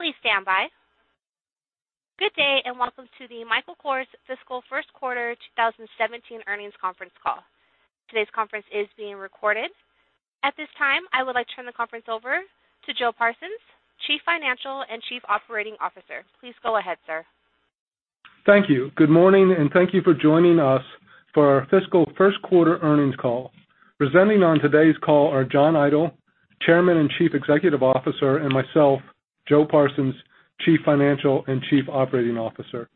Please stand by. Good day, and welcome to the Michael Kors fiscal first quarter 2017 earnings conference call. Today's conference is being recorded. At this time, I would like to turn the conference over to Joe Parsons, Chief Financial and Chief Operating Officer. Please go ahead, sir. Thank you. Good morning. Thank you for joining us for our fiscal first quarter earnings call. Presenting on today's call are John Idol, Chairman and Chief Executive Officer, and myself, Joe Parsons, Chief Financial and Chief Operating Officer.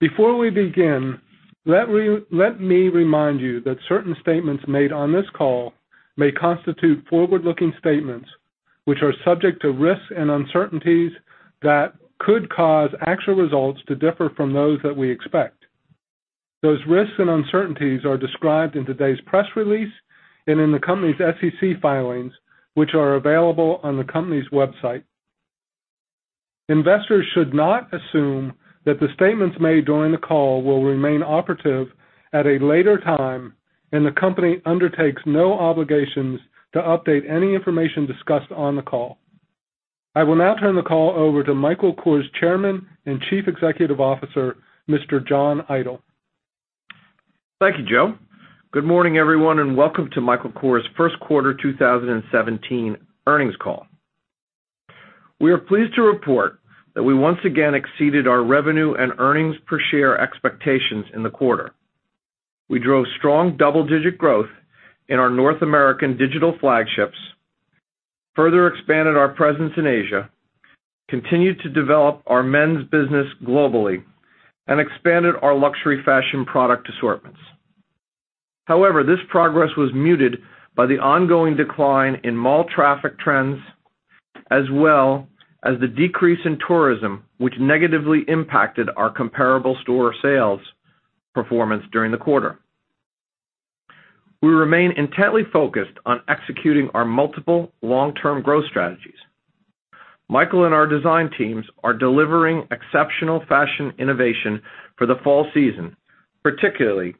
Before we begin, let me remind you that certain statements made on this call may constitute forward-looking statements, which are subject to risks and uncertainties that could cause actual results to differ from those that we expect. Those risks and uncertainties are described in today's press release and in the company's SEC filings, which are available on the company's website. Investors should not assume that the statements made during the call will remain operative at a later time, and the company undertakes no obligations to update any information discussed on the call. I will now turn the call over to Michael Kors' Chairman and Chief Executive Officer, Mr. John Idol. Thank you, Joe. Good morning, everyone. Welcome to Michael Kors' first quarter 2017 earnings call. We are pleased to report that we once again exceeded our revenue and earnings per share expectations in the quarter. We drove strong double-digit growth in our North American digital flagships, further expanded our presence in Asia, continued to develop our men's business globally, and expanded our luxury fashion product assortments. However, this progress was muted by the ongoing decline in mall traffic trends as well as the decrease in tourism, which negatively impacted our comparable store sales performance during the quarter. We remain intently focused on executing our multiple long-term growth strategies. Michael and our design teams are delivering exceptional fashion innovation for the fall season, particularly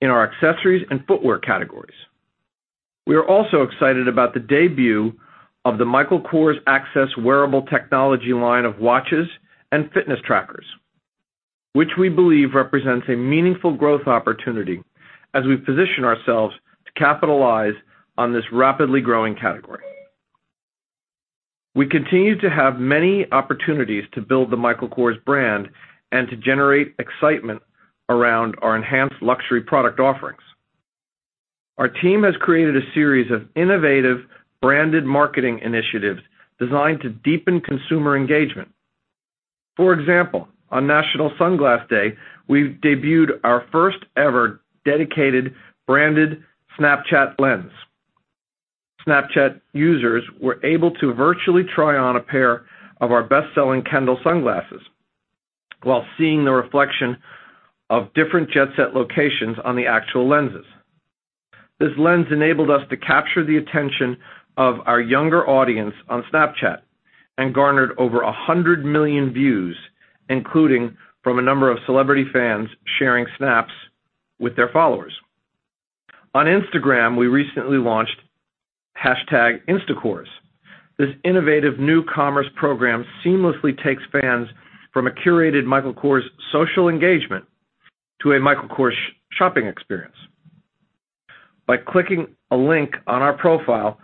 in our accessories and footwear categories. We are also excited about the debut of the Michael Kors Access wearable technology line of watches and fitness trackers, which we believe represents a meaningful growth opportunity as we position ourselves to capitalize on this rapidly growing category. We continue to have many opportunities to build the Michael Kors brand and to generate excitement around our enhanced luxury product offerings. Our team has created a series of innovative branded marketing initiatives designed to deepen consumer engagement. For example, on National Sunglasses Day, we debuted our first-ever dedicated branded Snapchat lens. Snapchat users were able to virtually try on a pair of our best-selling Kendall sunglasses while seeing the reflection of different jet-set locations on the actual lenses. This lens enabled us to capture the attention of our younger audience on Snapchat and garnered over 100 million views, including from a number of celebrity fans sharing snaps with their followers. On Instagram, we recently launched #InstaKors. This innovative new commerce program seamlessly takes fans from a curated Michael Kors social engagement to a Michael Kors shopping experience. By clicking a link on our profile,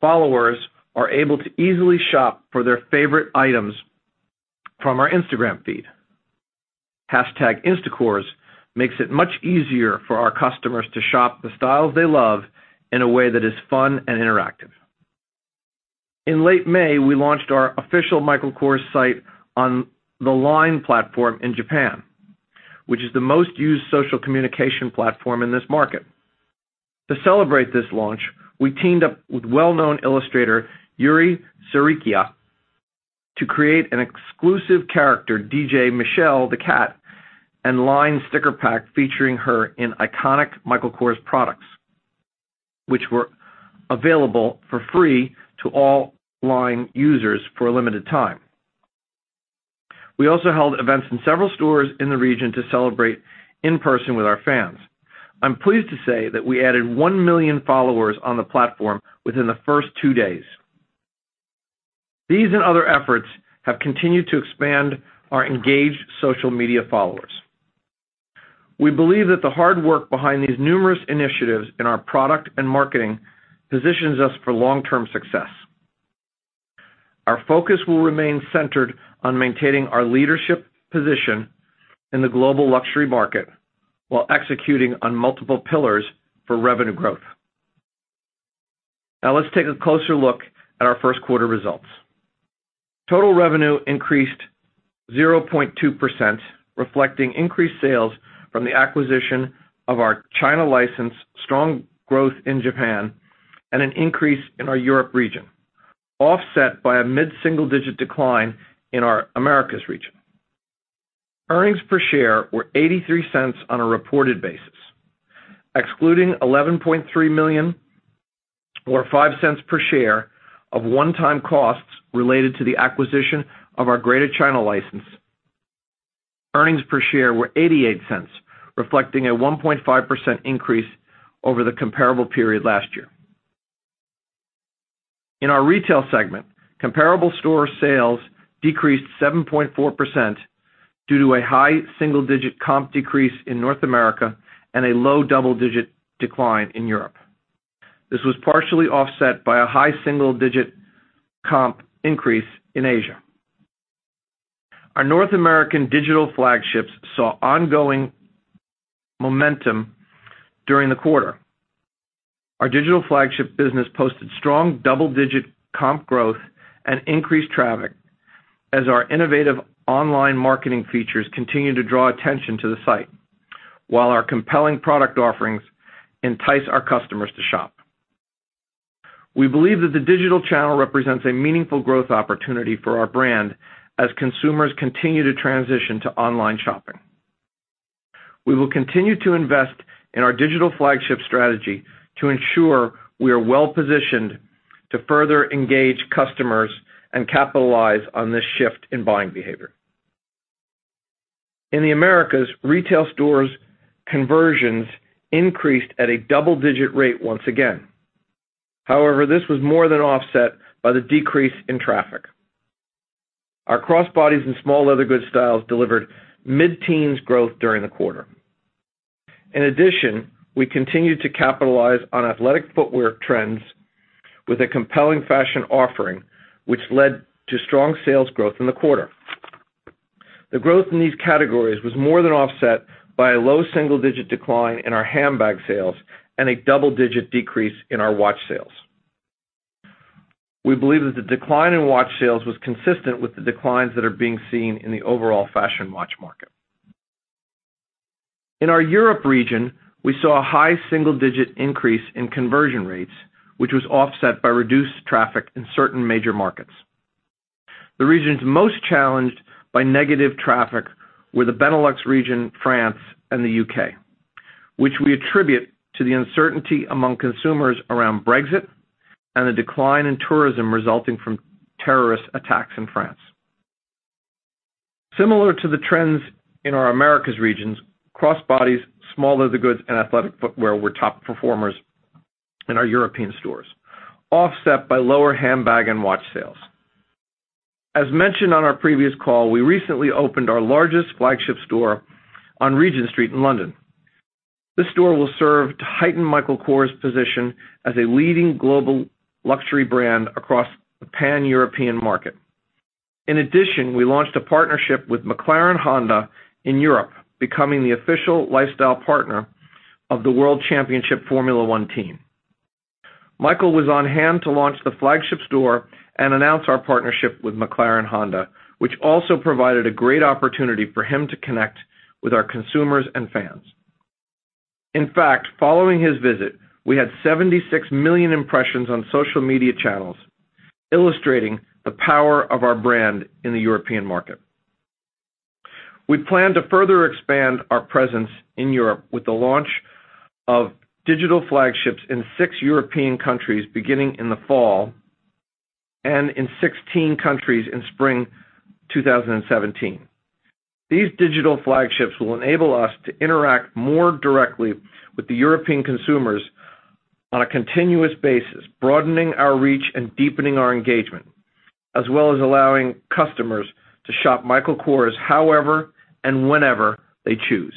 followers are able to easily shop for their favorite items from our Instagram feed. #InstaKors makes it much easier for our customers to shop the styles they love in a way that is fun and interactive. In late May, we launched our official Michael Kors site on the LINE platform in Japan, which is the most used social communication platform in this market. To celebrate this launch, we teamed up with well-known illustrator Yuri Tsurikiya to create an exclusive character, DJ Michelle the Cat, and LINE sticker pack featuring her in iconic Michael Kors products, which were available for free to all LINE users for a limited time. We also held events in several stores in the region to celebrate in person with our fans. I'm pleased to say that we added 1 million followers on the platform within the first 2 days. Other efforts have continued to expand our engaged social media followers. We believe that the hard work behind these numerous initiatives in our product and marketing positions us for long-term success. Our focus will remain centered on maintaining our leadership position in the global luxury market while executing on multiple pillars for revenue growth. Now let's take a closer look at our first quarter results. Total revenue increased 0.2%, reflecting increased sales from the acquisition of our China license, strong growth in Japan, and an increase in our Europe region, offset by a mid-single-digit decline in our Americas region. Earnings per share were $0.83 on a reported basis, excluding $11.3 million or $0.05 per share of one-time costs related to the acquisition of our Greater China license. Earnings per share were $0.88, reflecting a 1.5% increase over the comparable period last year. In our retail segment, comparable store sales decreased 7.4% due to a high single-digit comp decrease in North America and a low double-digit decline in Europe. This was partially offset by a high single-digit comp increase in Asia. Our North American digital flagships saw ongoing momentum during the quarter. Our digital flagship business posted strong double-digit comp growth and increased traffic as our innovative online marketing features continue to draw attention to the site, while our compelling product offerings entice our customers to shop. We believe that the digital channel represents a meaningful growth opportunity for our brand as consumers continue to transition to online shopping. We will continue to invest in our digital flagship strategy to ensure we are well-positioned to further engage customers and capitalize on this shift in buying behavior. In the Americas, retail stores conversions increased at a double-digit rate once again. This was more than offset by the decrease in traffic. Our crossbodies and small leather goods styles delivered mid-teens growth during the quarter. In addition, we continued to capitalize on athletic footwear trends with a compelling fashion offering, which led to strong sales growth in the quarter. The growth in these categories was more than offset by a low double-digit decline in our handbag sales and a double-digit decrease in our watch sales. We believe that the decline in watch sales was consistent with the declines that are being seen in the overall fashion watch market. In our Europe region, we saw a high single-digit increase in conversion rates, which was offset by reduced traffic in certain major markets. The regions most challenged by negative traffic were the Benelux region, France, and the U.K., which we attribute to the uncertainty among consumers around Brexit and the decline in tourism resulting from terrorist attacks in France. Similar to the trends in our Americas regions, crossbodies, small leather goods, and athletic footwear were top performers in our European stores, offset by lower handbag and watch sales. As mentioned on our previous call, we recently opened our largest flagship store on Regent Street in London. This store will serve to heighten Michael Kors' position as a leading global luxury brand across the Pan-European market. In addition, we launched a partnership with McLaren-Honda in Europe, becoming the official lifestyle partner of the World Championship Formula 1 team. Michael was on hand to launch the flagship store and announce our partnership with McLaren-Honda, which also provided a great opportunity for him to connect with our consumers and fans. In fact, following his visit, we had 76 million impressions on social media channels, illustrating the power of our brand in the European market. We plan to further expand our presence in Europe with the launch of digital flagships in six European countries beginning in the fall and in 16 countries in spring 2017. These digital flagships will enable us to interact more directly with the European consumers on a continuous basis, broadening our reach and deepening our engagement, as well as allowing customers to shop Michael Kors however and whenever they choose.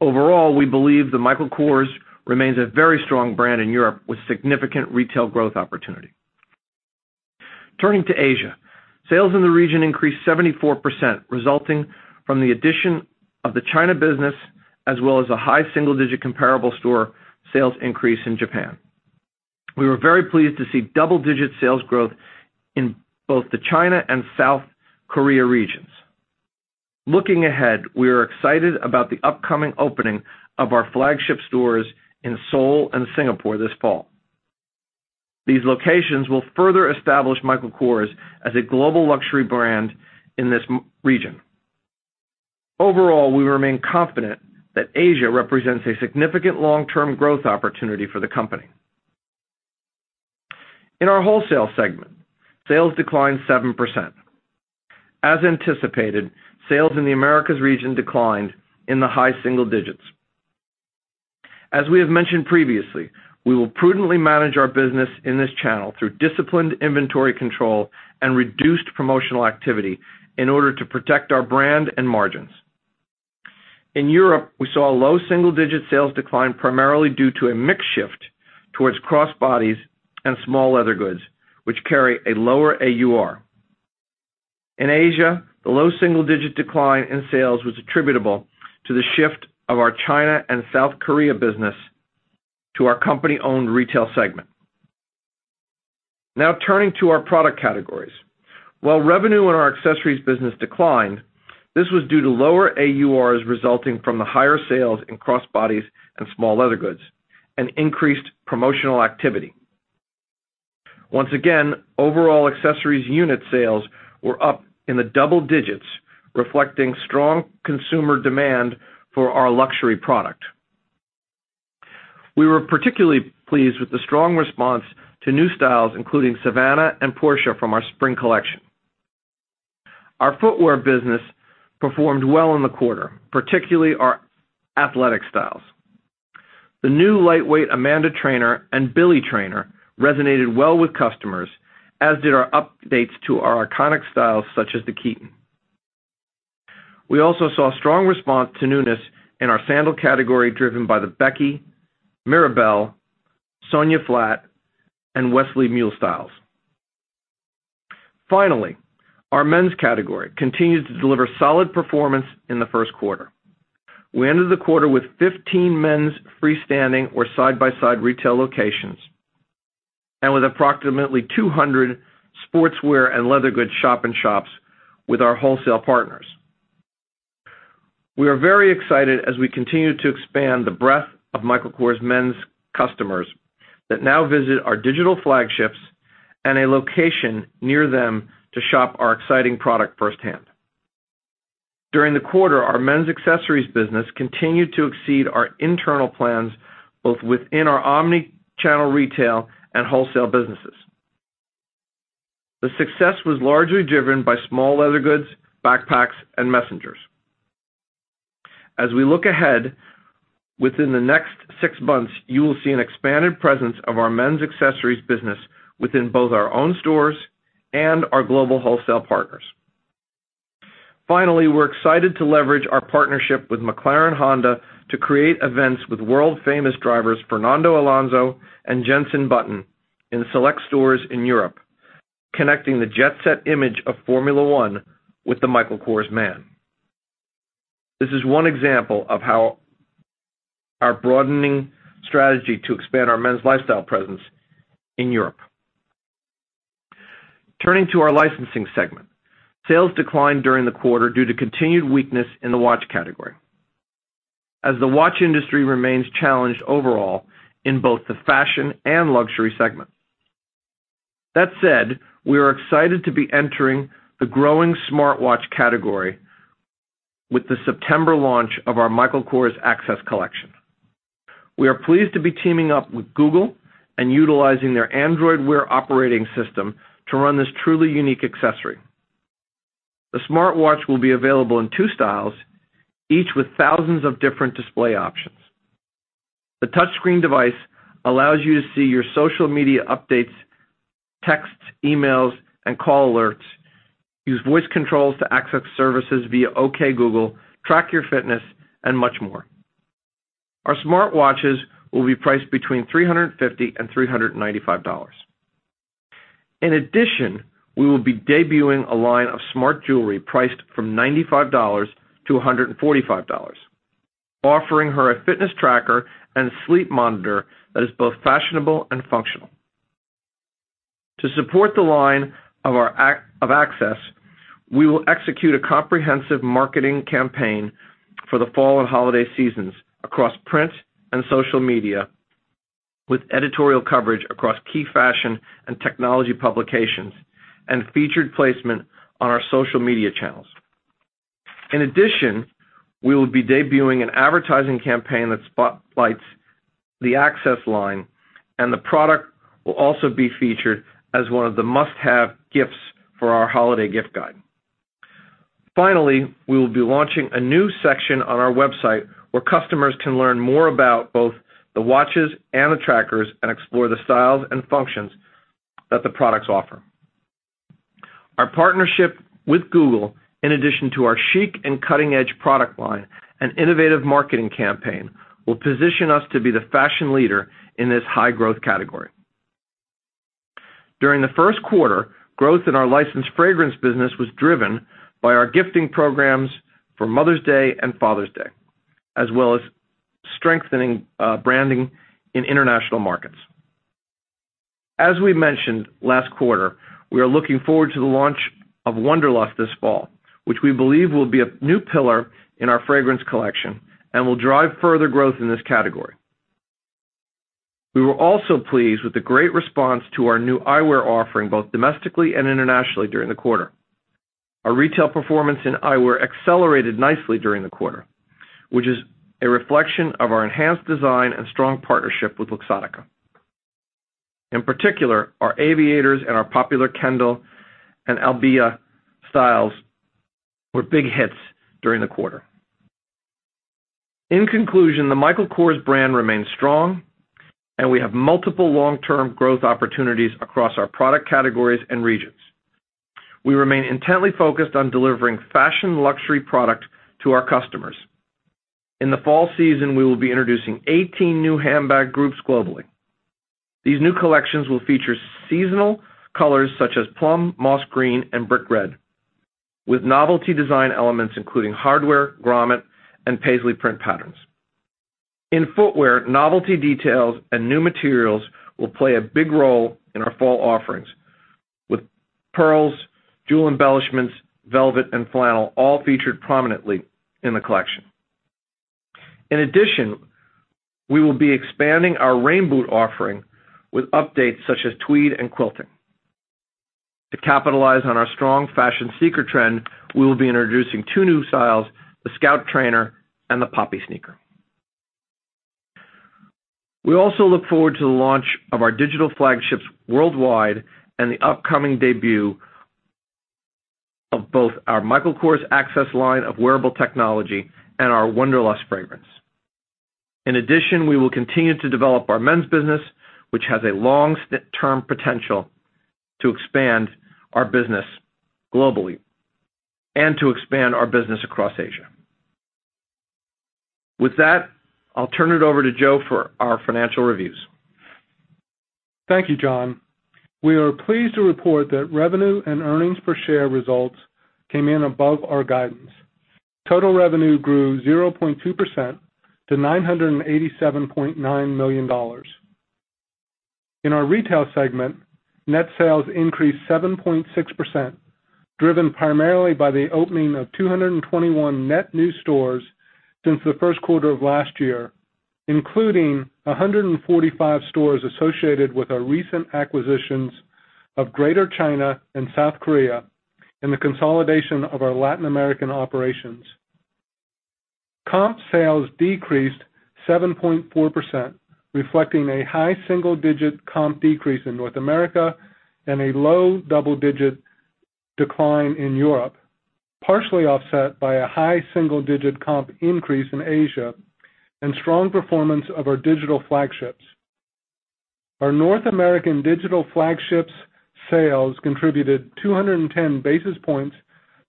Overall, we believe that Michael Kors remains a very strong brand in Europe with significant retail growth opportunity. Turning to Asia. Sales in the region increased 74%, resulting from the addition of the China business as well as a high single-digit comparable store sales increase in Japan. We were very pleased to see double-digit sales growth in both the China and South Korea regions. Looking ahead, we are excited about the upcoming opening of our flagship stores in Seoul and Singapore this fall. These locations will further establish Michael Kors as a global luxury brand in this region. Overall, we remain confident that Asia represents a significant long-term growth opportunity for the company. In our wholesale segment, sales declined 7%. As anticipated, sales in the Americas region declined in the high single digits. As we have mentioned previously, we will prudently manage our business in this channel through disciplined inventory control and reduced promotional activity in order to protect our brand and margins. In Europe, we saw a low single-digit sales decline primarily due to a mix shift towards crossbodies and small leather goods, which carry a lower AUR. In Asia, the low single-digit decline in sales was attributable to the shift of our China and South Korea business to our company-owned retail segment. Now turning to our product categories. While revenue in our accessories business declined, this was due to lower AURs resulting from the higher sales in crossbodies and small leather goods and increased promotional activity. Once again, overall accessories unit sales were up in the double digits, reflecting strong consumer demand for our luxury product. We were particularly pleased with the strong response to new styles, including Savannah and Portia from our spring collection. Our footwear business performed well in the quarter, particularly our athletic styles. The new lightweight Amanda trainer and Billy trainer resonated well with customers, as did our updates to our iconic styles such as the Keaton. We also saw strong response to newness in our sandal category, driven by the Becky, Mirabelle, Sonya Flat, and Westley mule styles. Finally, our men's category continues to deliver solid performance in the first quarter. We ended the quarter with 15 men's freestanding or side-by-side retail locations, and with approximately 200 sportswear and leather goods shop-in-shops with our wholesale partners. We are very excited as we continue to expand the breadth of Michael Kors men's customers that now visit our digital flagships and a location near them to shop our exciting product firsthand. During the quarter, our men's accessories business continued to exceed our internal plans, both within our omni-channel retail and wholesale businesses. The success was largely driven by small leather goods, backpacks, and messengers. As we look ahead, within the next six months, you will see an expanded presence of our men's accessories business within both our own stores and our global wholesale partners. Finally, we're excited to leverage our partnership with McLaren-Honda to create events with world-famous drivers Fernando Alonso and Jenson Button in select stores in Europe, connecting the Jet Set image of Formula 1 with the Michael Kors man. This is one example of how our broadening strategy to expand our men's lifestyle presence in Europe. Turning to our licensing segment. Sales declined during the quarter due to continued weakness in the watch category, as the watch industry remains challenged overall in both the fashion and luxury segments. That said, we are excited to be entering the growing smartwatch category with the September launch of our Michael Kors Access collection. We are pleased to be teaming up with Google and utilizing their Android Wear operating system to run this truly unique accessory. The smartwatch will be available in two styles, each with thousands of different display options. The touchscreen device allows you to see your social media updates, texts, emails, and call alerts, use voice controls to access services via OK Google, track your fitness, and much more. Our smartwatches will be priced between $350 and $395. In addition, we will be debuting a line of smart jewelry priced from $95 to $145, offering her a fitness tracker and sleep monitor that is both fashionable and functional. To support the line of Access, we will execute a comprehensive marketing campaign for the fall and holiday seasons across print and social media, with editorial coverage across key fashion and technology publications, and featured placement on our social media channels. In addition, we will be debuting an advertising campaign that spotlights the Access line, and the product will also be featured as one of the must-have gifts for our holiday gift guide. Finally, we will be launching a new section on our website where customers can learn more about both the watches and the trackers and explore the styles and functions that the products offer. Our partnership with Google, in addition to our chic and cutting-edge product line and innovative marketing campaign, will position us to be the fashion leader in this high-growth category. During the first quarter, growth in our licensed fragrance business was driven by our gifting programs for Mother's Day and Father's Day, as well as strengthening branding in international markets. As we mentioned last quarter, we are looking forward to the launch of Wonderlust this fall, which we believe will be a new pillar in our fragrance collection and will drive further growth in this category. We were also pleased with the great response to our new eyewear offering, both domestically and internationally during the quarter. Our retail performance in eyewear accelerated nicely during the quarter, which is a reflection of our enhanced design and strong partnership with Luxottica. In particular, our aviators and our popular Kendall and Albia styles were big hits during the quarter. In conclusion, the Michael Kors brand remains strong, and we have multiple long-term growth opportunities across our product categories and regions. We remain intently focused on delivering fashion luxury product to our customers. In the fall season, we will be introducing 18 new handbag groups globally. These new collections will feature seasonal colors such as plum, moss green, and brick red, with novelty design elements including hardware, grommet, and paisley print patterns. In footwear, novelty details and new materials will play a big role in our fall offerings, with pearls, jewel embellishments, velvet, and flannel all featured prominently in the collection. In addition, we will be expanding our rain boot offering with updates such as tweed and quilting. To capitalize on our strong fashion sneaker trend, we will be introducing two new styles, the Scout Trainer and the Poppy sneaker. We also look forward to the launch of our digital flagships worldwide and the upcoming debut of both our Michael Kors Access line of wearable technology and our Wonderlust fragrance. In addition, we will continue to develop our men's business, which has a long-term potential to expand our business globally and to expand our business across Asia. With that, I'll turn it over to Joe for our financial reviews. Thank you, John. We are pleased to report that revenue and earnings per share results came in above our guidance. Total revenue grew 0.2% to $987.9 million. In our retail segment, net sales increased 7.6%, driven primarily by the opening of 221 net new stores since the first quarter of last year, including 145 stores associated with our recent acquisitions of Greater China and South Korea and the consolidation of our Latin American operations. Comp sales decreased 7.4%, reflecting a high single-digit comp decrease in North America and a low double-digit decline in Europe, partially offset by a high single-digit comp increase in Asia and strong performance of our digital flagships. Our North American digital flagships sales contributed 210 basis points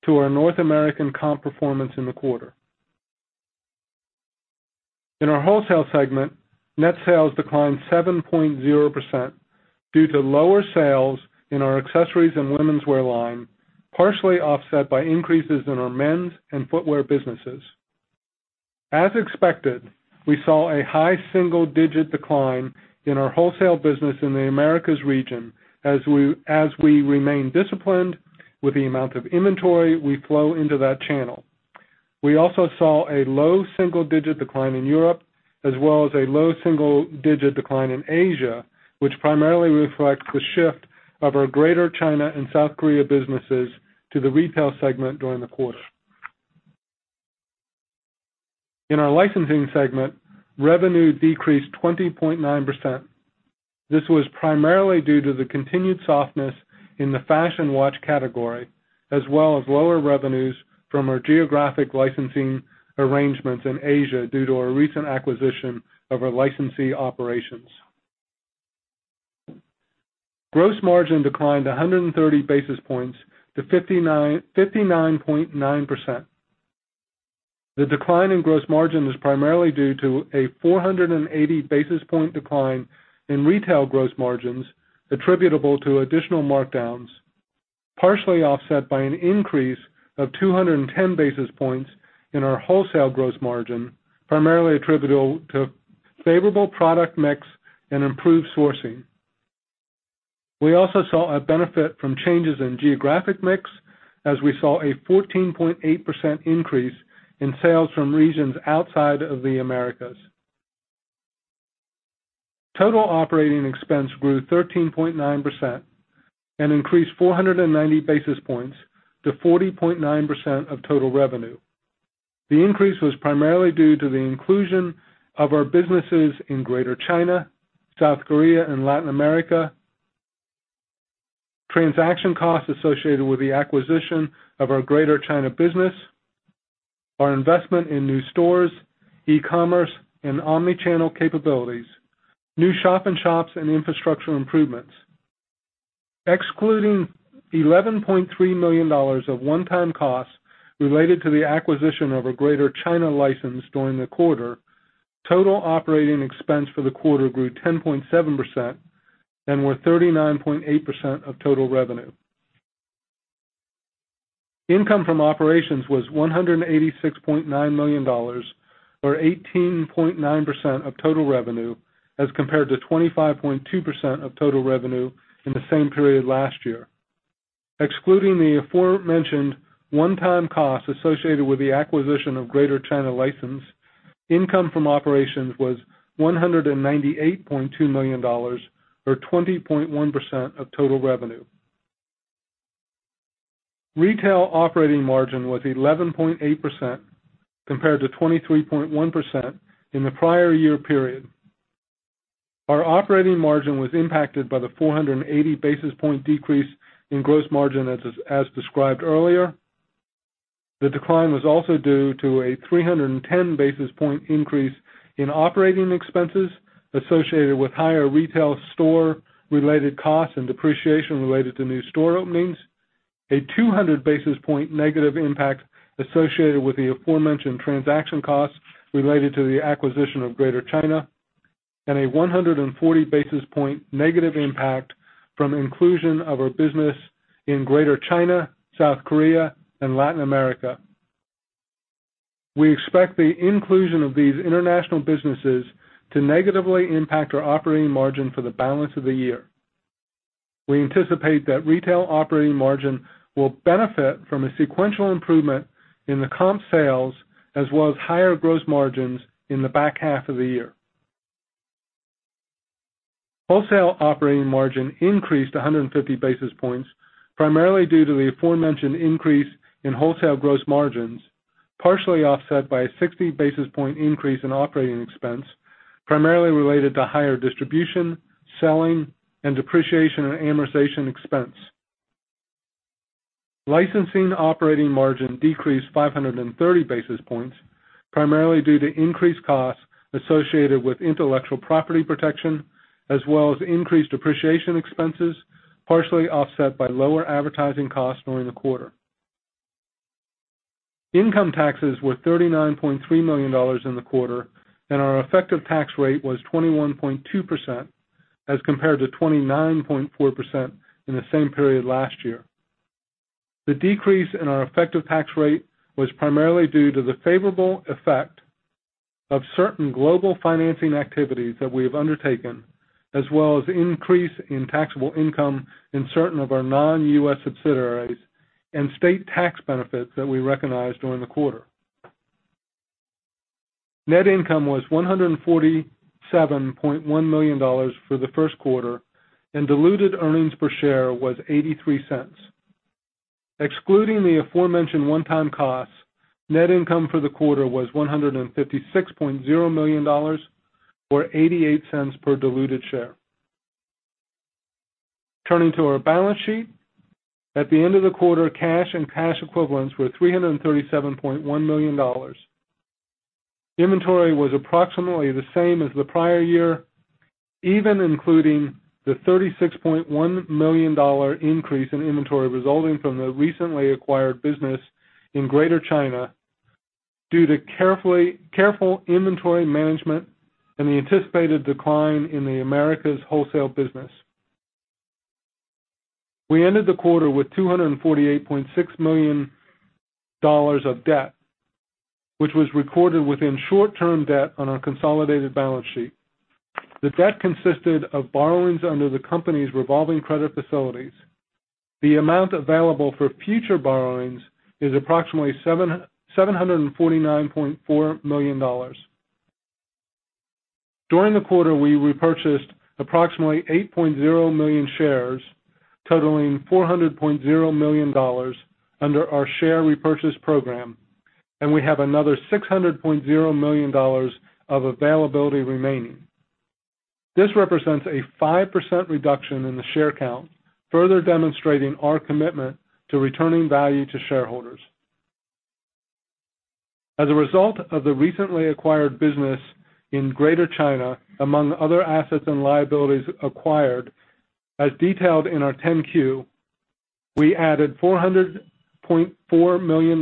to our North American comp performance in the quarter. In our wholesale segment, net sales declined 7.0% due to lower sales in our accessories and womenswear line, partially offset by increases in our men's and footwear businesses. As expected, we saw a high single-digit decline in our wholesale business in the Americas region as we remain disciplined with the amount of inventory we flow into that channel. We also saw a low double-digit decline in Europe, as well as a low single-digit decline in Asia, which primarily reflects the shift of our Greater China and South Korea businesses to the retail segment during the quarter. In our licensing segment, revenue decreased 20.9%. This was primarily due to the continued softness in the fashion watch category, as well as lower revenues from our geographic licensing arrangements in Asia due to our recent acquisition of our licensee operations. Gross margin declined 130 basis points to 59.9%. The decline in gross margin was primarily due to a 480 basis point decline in retail gross margins attributable to additional markdowns, partially offset by an increase of 210 basis points in our wholesale gross margin, primarily attributable to favorable product mix and improved sourcing. We also saw a benefit from changes in geographic mix as we saw a 14.8% increase in sales from regions outside of the Americas. Total operating expense grew 13.9% and increased 490 basis points to 40.9% of total revenue. The increase was primarily due to the inclusion of our businesses in Greater China, South Korea, and Latin America, transaction costs associated with the acquisition of our Greater China business, our investment in new stores, e-commerce, and omni-channel capabilities, new shop-in-shops, and infrastructure improvements. Excluding $11.3 million of one-time costs related to the acquisition of a Greater China license during the quarter, total operating expense for the quarter grew 10.7% and were 39.8% of total revenue. Income from operations was $186.9 million or 18.9% of total revenue as compared to 25.2% of total revenue in the same period last year. Excluding the aforementioned one-time costs associated with the acquisition of Greater China license, income from operations was $198.2 million or 20.1% of total revenue. Retail operating margin was 11.8% compared to 23.1% in the prior year period. Our operating margin was impacted by the 480 basis point decrease in gross margin, as described earlier. The decline was also due to a 310 basis point increase in operating expenses associated with higher retail store-related costs and depreciation related to new store openings, a 200 basis point negative impact associated with the aforementioned transaction costs related to the acquisition of Greater China, and a 140 basis point negative impact from inclusion of our business in Greater China, South Korea, and Latin America. We expect the inclusion of these international businesses to negatively impact our operating margin for the balance of the year. We anticipate that retail operating margin will benefit from a sequential improvement in the comp sales as well as higher gross margins in the back half of the year. Wholesale operating margin increased 150 basis points, primarily due to the aforementioned increase in wholesale gross margins, partially offset by a 60 basis point increase in operating expense, primarily related to higher distribution, selling, and depreciation and amortization expense. Licensing operating margin decreased 530 basis points, primarily due to increased costs associated with intellectual property protection, as well as increased depreciation expenses, partially offset by lower advertising costs during the quarter. Income taxes were $39.3 million in the quarter, and our effective tax rate was 21.2% as compared to 29.4% in the same period last year. The decrease in our effective tax rate was primarily due to the favorable effect of certain global financing activities that we have undertaken, as well as increase in taxable income in certain of our non-U.S. subsidiaries and state tax benefits that we recognized during the quarter. Net income was $147.1 million for the first quarter, and diluted earnings per share was $0.83. Excluding the aforementioned one-time costs, net income for the quarter was $156.0 million, or $0.88 per diluted share. Turning to our balance sheet. At the end of the quarter, cash and cash equivalents were $337.1 million. Inventory was approximately the same as the prior year, even including the $36.1 million increase in inventory resulting from the recently acquired business in Greater China due to careful inventory management and the anticipated decline in the Americas wholesale business. We ended the quarter with $248.6 million of debt, which was recorded within short-term debt on our consolidated balance sheet. The debt consisted of borrowings under the company's revolving credit facilities. The amount available for future borrowings is approximately $749.4 million. During the quarter, we repurchased approximately 8.0 million shares, totaling $400.0 million under our share repurchase program, and we have another $600.0 million of availability remaining. This represents a 5% reduction in the share count, further demonstrating our commitment to returning value to shareholders. As a result of the recently acquired business in Greater China, among other assets and liabilities acquired, as detailed in our 10-Q, we added $400.4 million, $99.0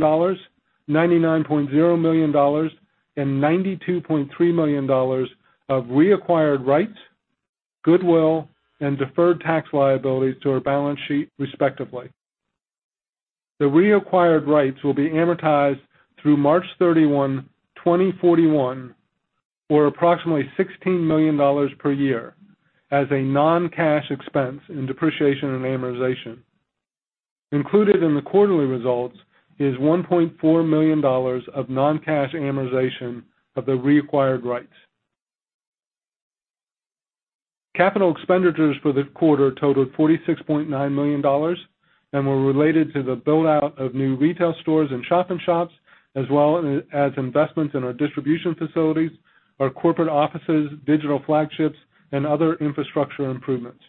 million, and $92.3 million of reacquired rights, goodwill, and deferred tax liabilities to our balance sheet, respectively. The reacquired rights will be amortized through March 31, 2041, or approximately $16 million per year as a non-cash expense in depreciation and amortization. Included in the quarterly results is $1.4 million of non-cash amortization of the reacquired rights. Capital expenditures for the quarter totaled $46.9 million and were related to the build-out of new retail stores and shop-in-shops, as well as investments in our distribution facilities, our corporate offices, digital flagships, and other infrastructure improvements.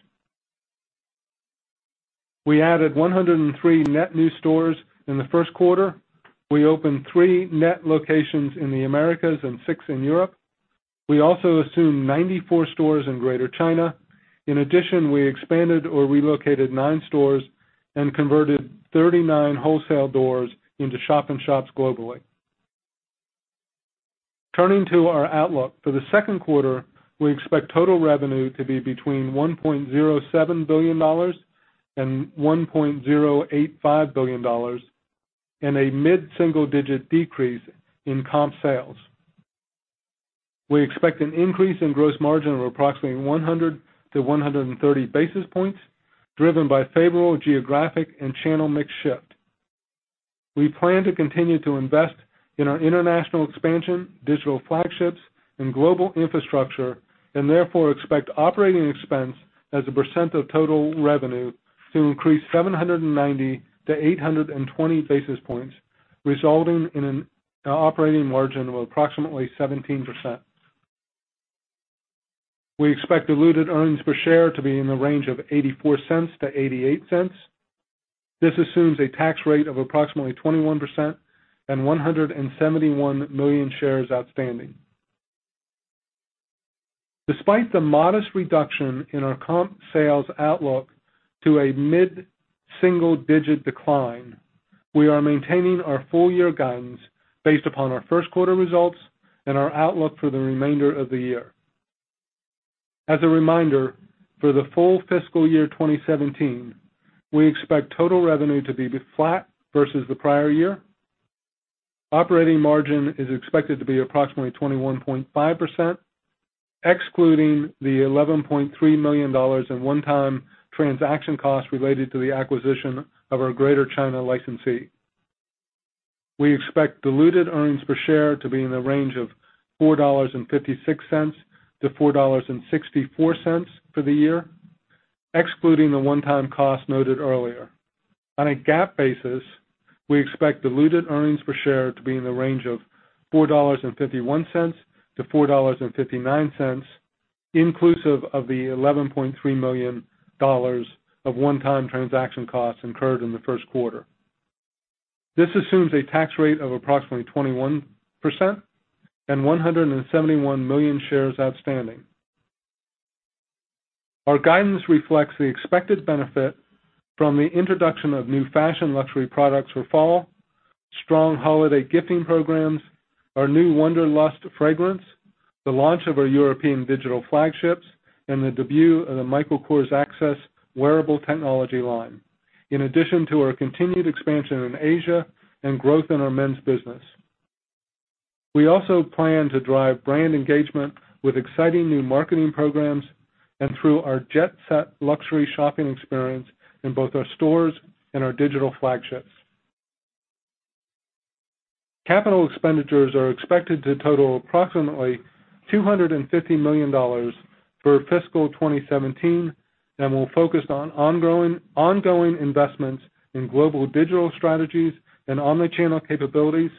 We added 103 net new stores in the first quarter. We opened three net locations in the Americas and six in Europe. We also assumed 94 stores in Greater China. In addition, we expanded or relocated nine stores and converted 39 wholesale doors into shop-in-shops globally. Turning to our outlook. For the second quarter, we expect total revenue to be between $1.07 billion and $1.085 billion, and a mid-single-digit decrease in comp sales. We expect an increase in gross margin of approximately 100 to 130 basis points, driven by favorable geographic and channel mix shift. We plan to continue to invest in our international expansion, digital flagships, and global infrastructure, and therefore expect operating expense as a percent of total revenue to increase 790 to 820 basis points, resulting in an operating margin of approximately 17%. We expect diluted earnings per share to be in the range of $0.84 to $0.88. This assumes a tax rate of approximately 21% and 171 million shares outstanding. Despite the modest reduction in our comp sales outlook to a mid-single-digit decline, we are maintaining our full-year guidance based upon our first quarter results and our outlook for the remainder of the year. As a reminder, for the full fiscal year 2017, we expect total revenue to be flat versus the prior year. Operating margin is expected to be approximately 21.5%, excluding the $11.3 million in one-time transaction costs related to the acquisition of our Greater China licensee. We expect diluted earnings per share to be in the range of $4.56 to $4.64 for the year, excluding the one-time costs noted earlier. On a GAAP basis, we expect diluted earnings per share to be in the range of $4.51 to $4.59, inclusive of the $11.3 million of one-time transaction costs incurred in the first quarter. This assumes a tax rate of approximately 21% and 171 million shares outstanding. Our guidance reflects the expected benefit from the introduction of new fashion luxury products for fall, strong holiday gifting programs, our new Wonderlust fragrance, the launch of our European digital flagships, and the debut of the Michael Kors Access wearable technology line. In addition to our continued expansion in Asia and growth in our men's business. We also plan to drive brand engagement with exciting new marketing programs and through our Jet Set luxury shopping experience in both our stores and our digital flagships. Capital expenditures are expected to total approximately $250 million for fiscal 2017 and will focus on ongoing investments in global digital strategies and omni-channel capabilities,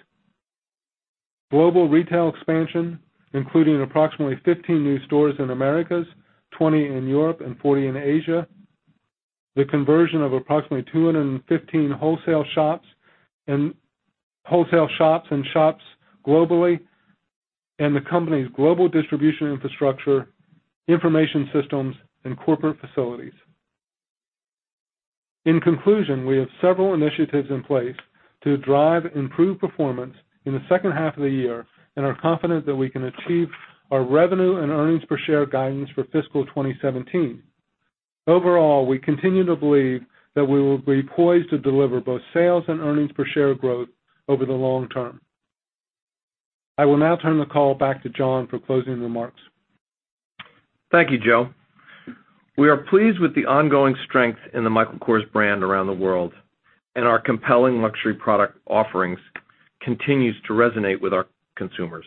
global retail expansion, including approximately 15 new stores in Americas, 20 in Europe and 40 in Asia. The conversion of approximately 215 wholesale shops and shops globally, and the company's global distribution infrastructure, information systems, and corporate facilities. In conclusion, we have several initiatives in place to drive improved performance in the second half of the year and are confident that we can achieve our revenue and earnings-per-share guidance for fiscal 2017. Overall, we continue to believe that we will be poised to deliver both sales and earnings-per-share growth over the long term. I will now turn the call back to John for closing remarks. Thank you, Joe. We are pleased with the ongoing strength in the Michael Kors brand around the world, and our compelling luxury product offerings continues to resonate with our consumers.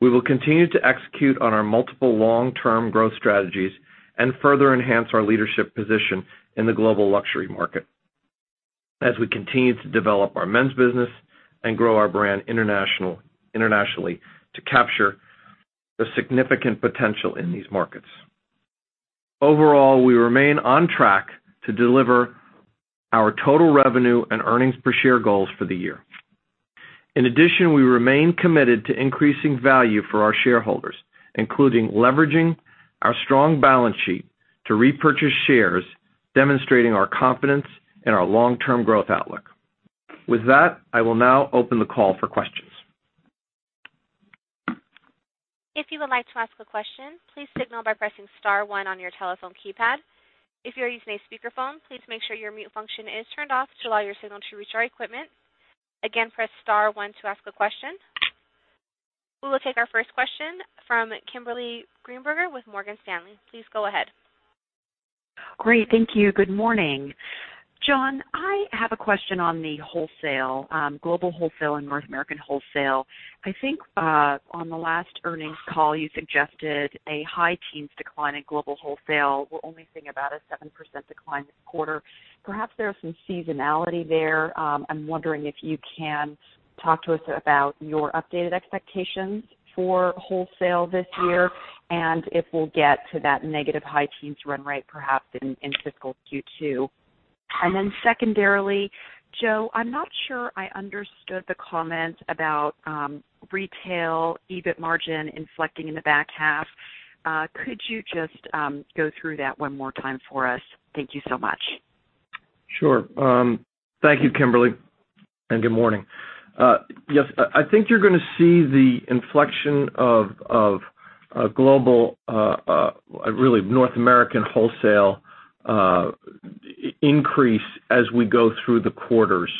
We will continue to execute on our multiple long-term growth strategies and further enhance our leadership position in the global luxury market as we continue to develop our men's business and grow our brand internationally to capture the significant potential in these markets. Overall, we remain on track to deliver our total revenue and earnings-per-share goals for the year. In addition, we remain committed to increasing value for our shareholders, including leveraging our strong balance sheet to repurchase shares, demonstrating our confidence in our long-term growth outlook. With that, I will now open the call for questions. If you would like to ask a question, please signal by pressing star one on your telephone keypad. If you are using a speakerphone, please make sure your mute function is turned off to allow your signal to reach our equipment. Again, press star one to ask a question. We will take our first question from Kimberly Greenberger with Morgan Stanley. Please go ahead. Great. Thank you. Good morning. John, I have a question on the global wholesale and North American wholesale. I think on the last earnings call, you suggested a high teens decline in global wholesale. We're only seeing about a 7% decline this quarter. Perhaps there is some seasonality there. I'm wondering if you can talk to us about your updated expectations for wholesale this year and if we'll get to that negative high teens run rate perhaps in fiscal Q2. Secondarily, Joe, I'm not sure I understood the comment about retail EBIT margin inflecting in the back half. Could you just go through that one more time for us? Thank you so much. Sure. Thank you, Kimberly, and good morning. Yes, I think you're going to see the inflection of global, really North American wholesale increase as we go through the quarters,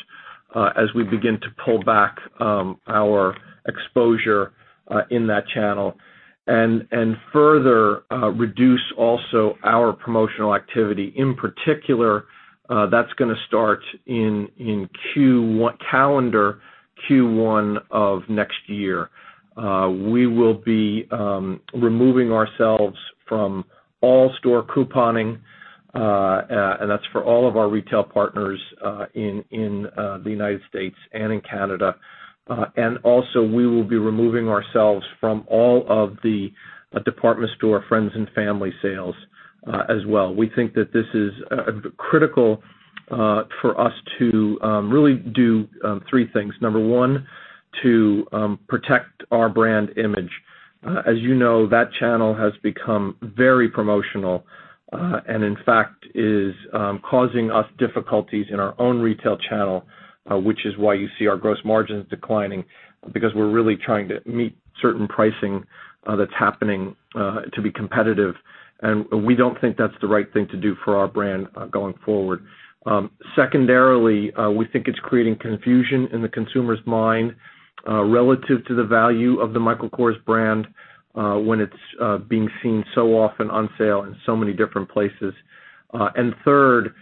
as we begin to pull back our exposure in that channel and further reduce also our promotional activity. In particular, that's going to start in calendar Q1 of next year. We will be removing ourselves from all store couponing, and that's for all of our retail partners in the U.S. and in Canada. Also, we will be removing ourselves from all of the department store friends and family sales as well. We think that this is critical for us to really do three things. Number one, to protect our brand image. As you know, that channel has become very promotional, in fact, is causing us difficulties in our own retail channel, which is why you see our gross margins declining, because we're really trying to meet certain pricing that's happening to be competitive, we don't think that's the right thing to do for our brand going forward. Secondarily, we think it's creating confusion in the consumer's mind relative to the value of the Michael Kors brand when it's being seen so often on sale in so many different places. Third,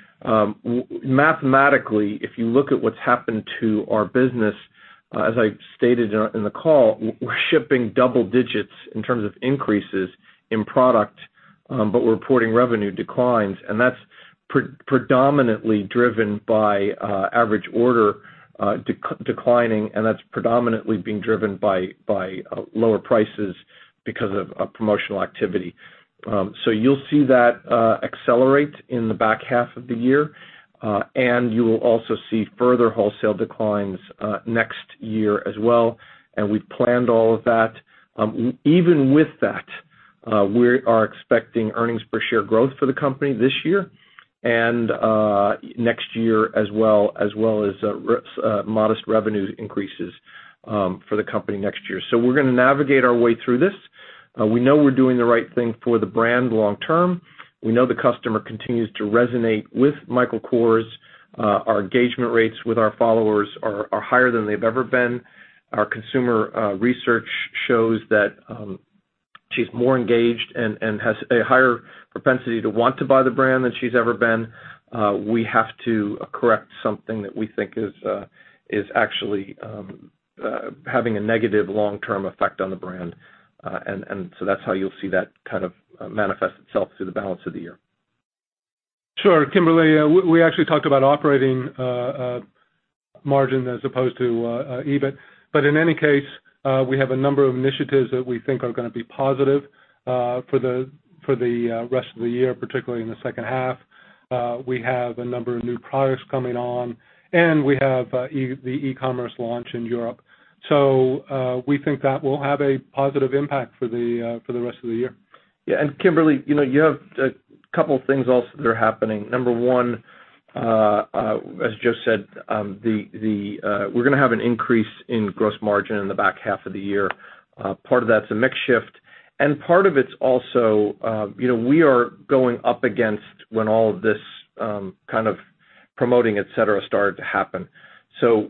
mathematically, if you look at what's happened to our business, as I stated in the call, we're shipping double digits in terms of increases in product, but we're reporting revenue declines, that's predominantly driven by average order declining, that's predominantly being driven by lower prices because of promotional activity. You'll see that accelerate in the back half of the year. You will also see further wholesale declines next year as well, we've planned all of that. Even with that, we are expecting earnings per share growth for the company this year and next year as well, as well as modest revenue increases for the company next year. We're going to navigate our way through this. We know we're doing the right thing for the brand long term. We know the customer continues to resonate with Michael Kors. Our engagement rates with our followers are higher than they've ever been. Our consumer research shows that she's more engaged and has a higher propensity to want to buy the brand than she's ever been. We have to correct something that we think is actually having a negative long-term effect on the brand. That's how you'll see that kind of manifest itself through the balance of the year. Sure, Kimberly. We actually talked about operating margin as opposed to EBIT. In any case, we have a number of initiatives that we think are going to be positive for the rest of the year, particularly in the second half. We have a number of new products coming on, we have the e-commerce launch in Europe. We think that will have a positive impact for the rest of the year. Yeah. Kimberly, you have a couple things also that are happening. Number one, as Joe said, we're going to have an increase in gross margin in the back half of the year. Part of that's a mix shift, part of it's also, we are going up against when all of this promoting, et cetera, started to happen.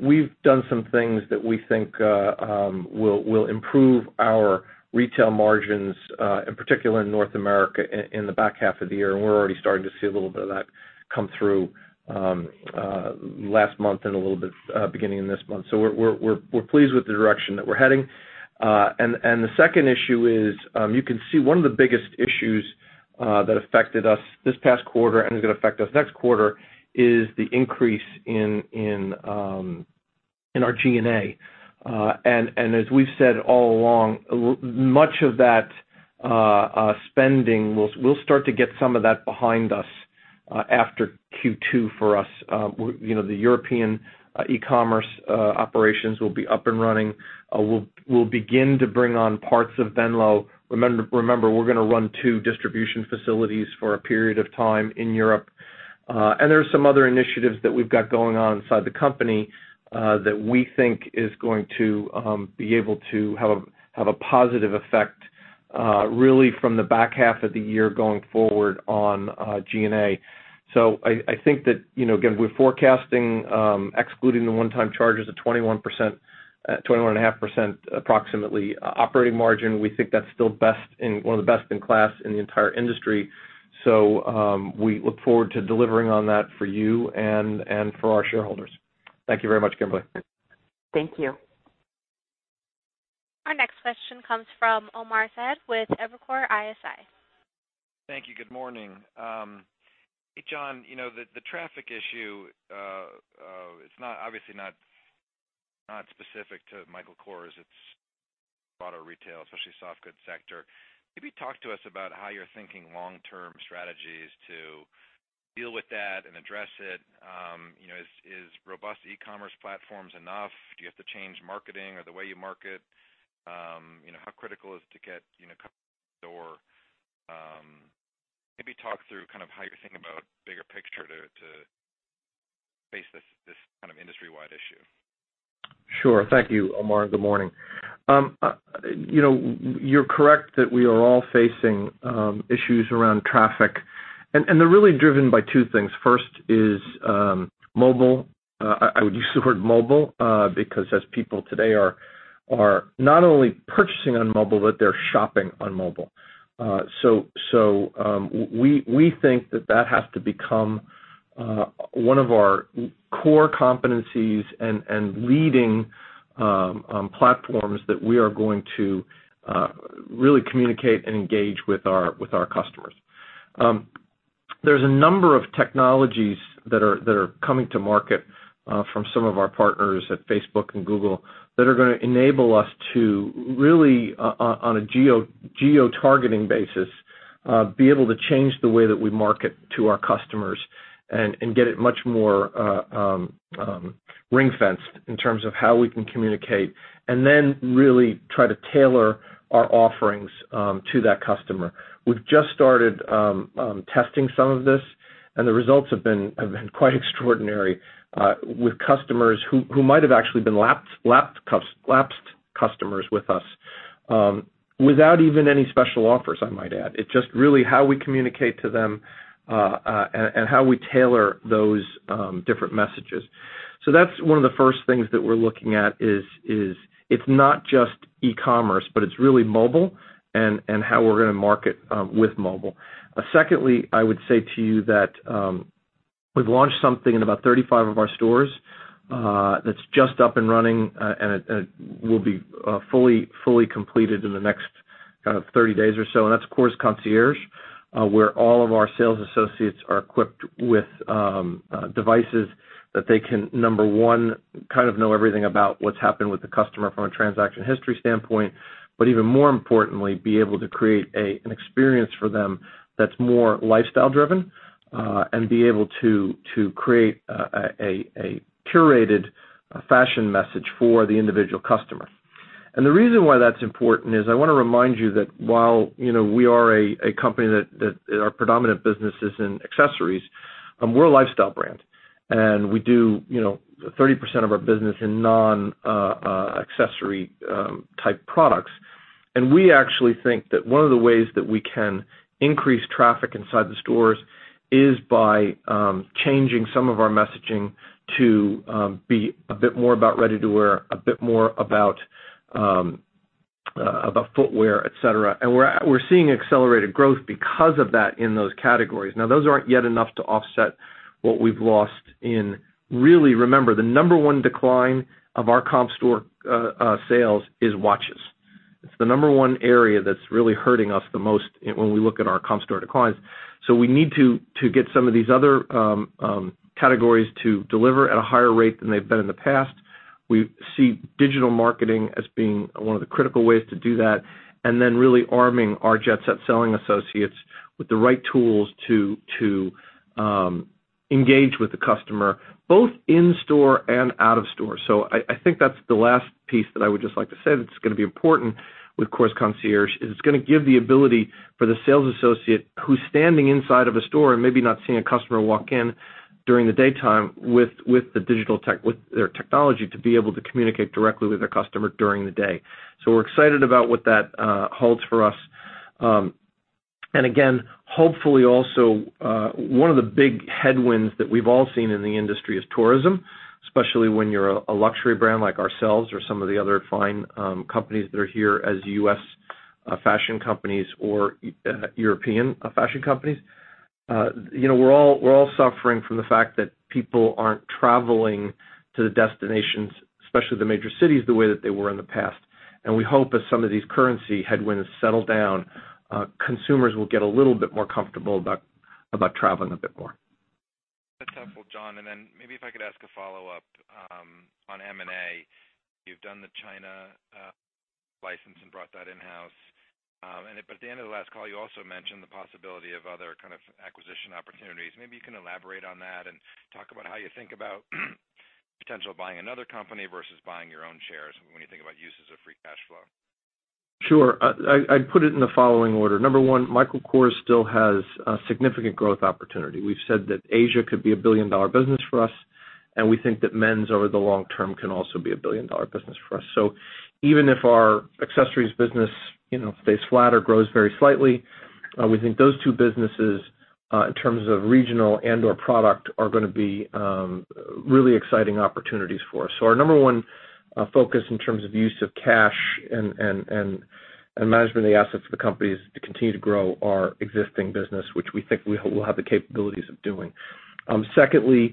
We've done some things that we think will improve our retail margins, in particular in North America, in the back half of the year, we're already starting to see a little bit of that come through last month and a little bit beginning of this month. We're pleased with the direction that we're heading. The second issue is, you can see one of the biggest issues that affected us this past quarter and is going to affect us next quarter is the increase in our G&A. As we've said all along, much of that spending, we'll start to get some of that behind us after Q2 for us. The European e-commerce operations will be up and running. We'll begin to bring on parts of Venlo. Remember, we're going to run two distribution facilities for a period of time in Europe. There are some other initiatives that we've got going on inside the company that we think is going to be able to have a positive effect, really from the back half of the year going forward on G&A. I think that, again, we're forecasting, excluding the one-time charges, a 21.5%, approximately, operating margin. We think that's still one of the best in class in the entire industry. We look forward to delivering on that for you and for our shareholders. Thank you very much, Kimberly. Thank you. Our next question comes from Omar Saad with Evercore ISI. Thank you. Good morning. Hey, John, the traffic issue, it's obviously not specific to Michael Kors. It's a lot of retail, especially soft goods sector. Maybe talk to us about how you're thinking long-term strategies to deal with that and address it. Is robust e-commerce platforms enough? Do you have to change marketing or the way you market? How critical is it to get in the door? Maybe talk through how you're thinking about bigger picture to face this kind of industry-wide issue. Sure. Thank you, Omar. Good morning. You're correct that we are all facing issues around traffic, and they're really driven by two things. First is mobile. I would use the word mobile because as people today are not only purchasing on mobile, but they're shopping on mobile. We think that that has to become one of our core competencies and leading platforms that we are going to really communicate and engage with our customers. There's a number of technologies that are coming to market from some of our partners at Facebook and Google that are going to enable us to really, on a geotargeting basis, be able to change the way that we market to our customers and get it much more ring-fenced in terms of how we can communicate, and then really try to tailor our offerings to that customer. We've just started testing some of this, and the results have been quite extraordinary with customers who might have actually been lapsed customers with us. Without even any special offers, I might add. It's just really how we communicate to them, and how we tailor those different messages. That's one of the first things that we're looking at is, it's not just e-commerce, but it's really mobile and how we're going to market with mobile. Secondly, I would say to you that we've launched something in about 35 of our stores that's just up and running, and it will be fully completed in the next 30 days or so, and that's Kors Concierge, where all of our sales associates are equipped with devices that they can, number 1, know everything about what's happened with the customer from a transaction history standpoint, but even more importantly, be able to create an experience for them that's more lifestyle driven, and be able to create a curated fashion message for the individual customer. The reason why that's important is I want to remind you that while we are a company that our predominant business is in accessories, we're a lifestyle brand, and we do 30% of our business in non-accessory type products. We actually think that one of the ways that we can increase traffic inside the stores is by changing some of our messaging to be a bit more about ready-to-wear, a bit more about footwear, et cetera. We're seeing accelerated growth because of that in those categories. Those aren't yet enough to offset what we've lost in really, remember, the number one decline of our comp store sales is watches. It's the number one area that's really hurting us the most when we look at our comp store declines. We need to get some of these other categories to deliver at a higher rate than they've been in the past. We see digital marketing as being one of the critical ways to do that, then really arming our Jet Set selling associates with the right tools to engage with the customer, both in store and out of store. I think that's the last piece that I would just like to say that's going to be important with Kors Concierge, is it's going to give the ability for the sales associate who's standing inside of a store and maybe not seeing a customer walk in during the daytime with their technology, to be able to communicate directly with a customer during the day. We're excited about what that holds for us. Again, hopefully also, one of the big headwinds that we've all seen in the industry is tourism, especially when you're a luxury brand like ourselves or some of the other fine companies that are here as U.S. fashion companies or European fashion companies. We're all suffering from the fact that people aren't traveling to the destinations, especially the major cities, the way that they were in the past. We hope as some of these currency headwinds settle down, consumers will get a little bit more comfortable about traveling a bit more. That's helpful, John. Then maybe if I could ask a follow-up on M&A. You've done the China license and brought that in-house. At the end of the last call, you also mentioned the possibility of other acquisition opportunities. Maybe you can elaborate on that and talk about how you think about potential buying another company versus buying your own shares when you think about uses of free cash flow. Sure. I'd put it in the following order. Number one, Michael Kors still has a significant growth opportunity. We've said that Asia could be a billion-dollar business for us, and we think that men's, over the long term, can also be a billion-dollar business for us. Even if our accessories business stays flat or grows very slightly, we think those two businesses, in terms of regional and/or product, are going to be really exciting opportunities for us. Our number one focus in terms of use of cash and management of the assets for the company is to continue to grow our existing business, which we think we'll have the capabilities of doing. Secondly,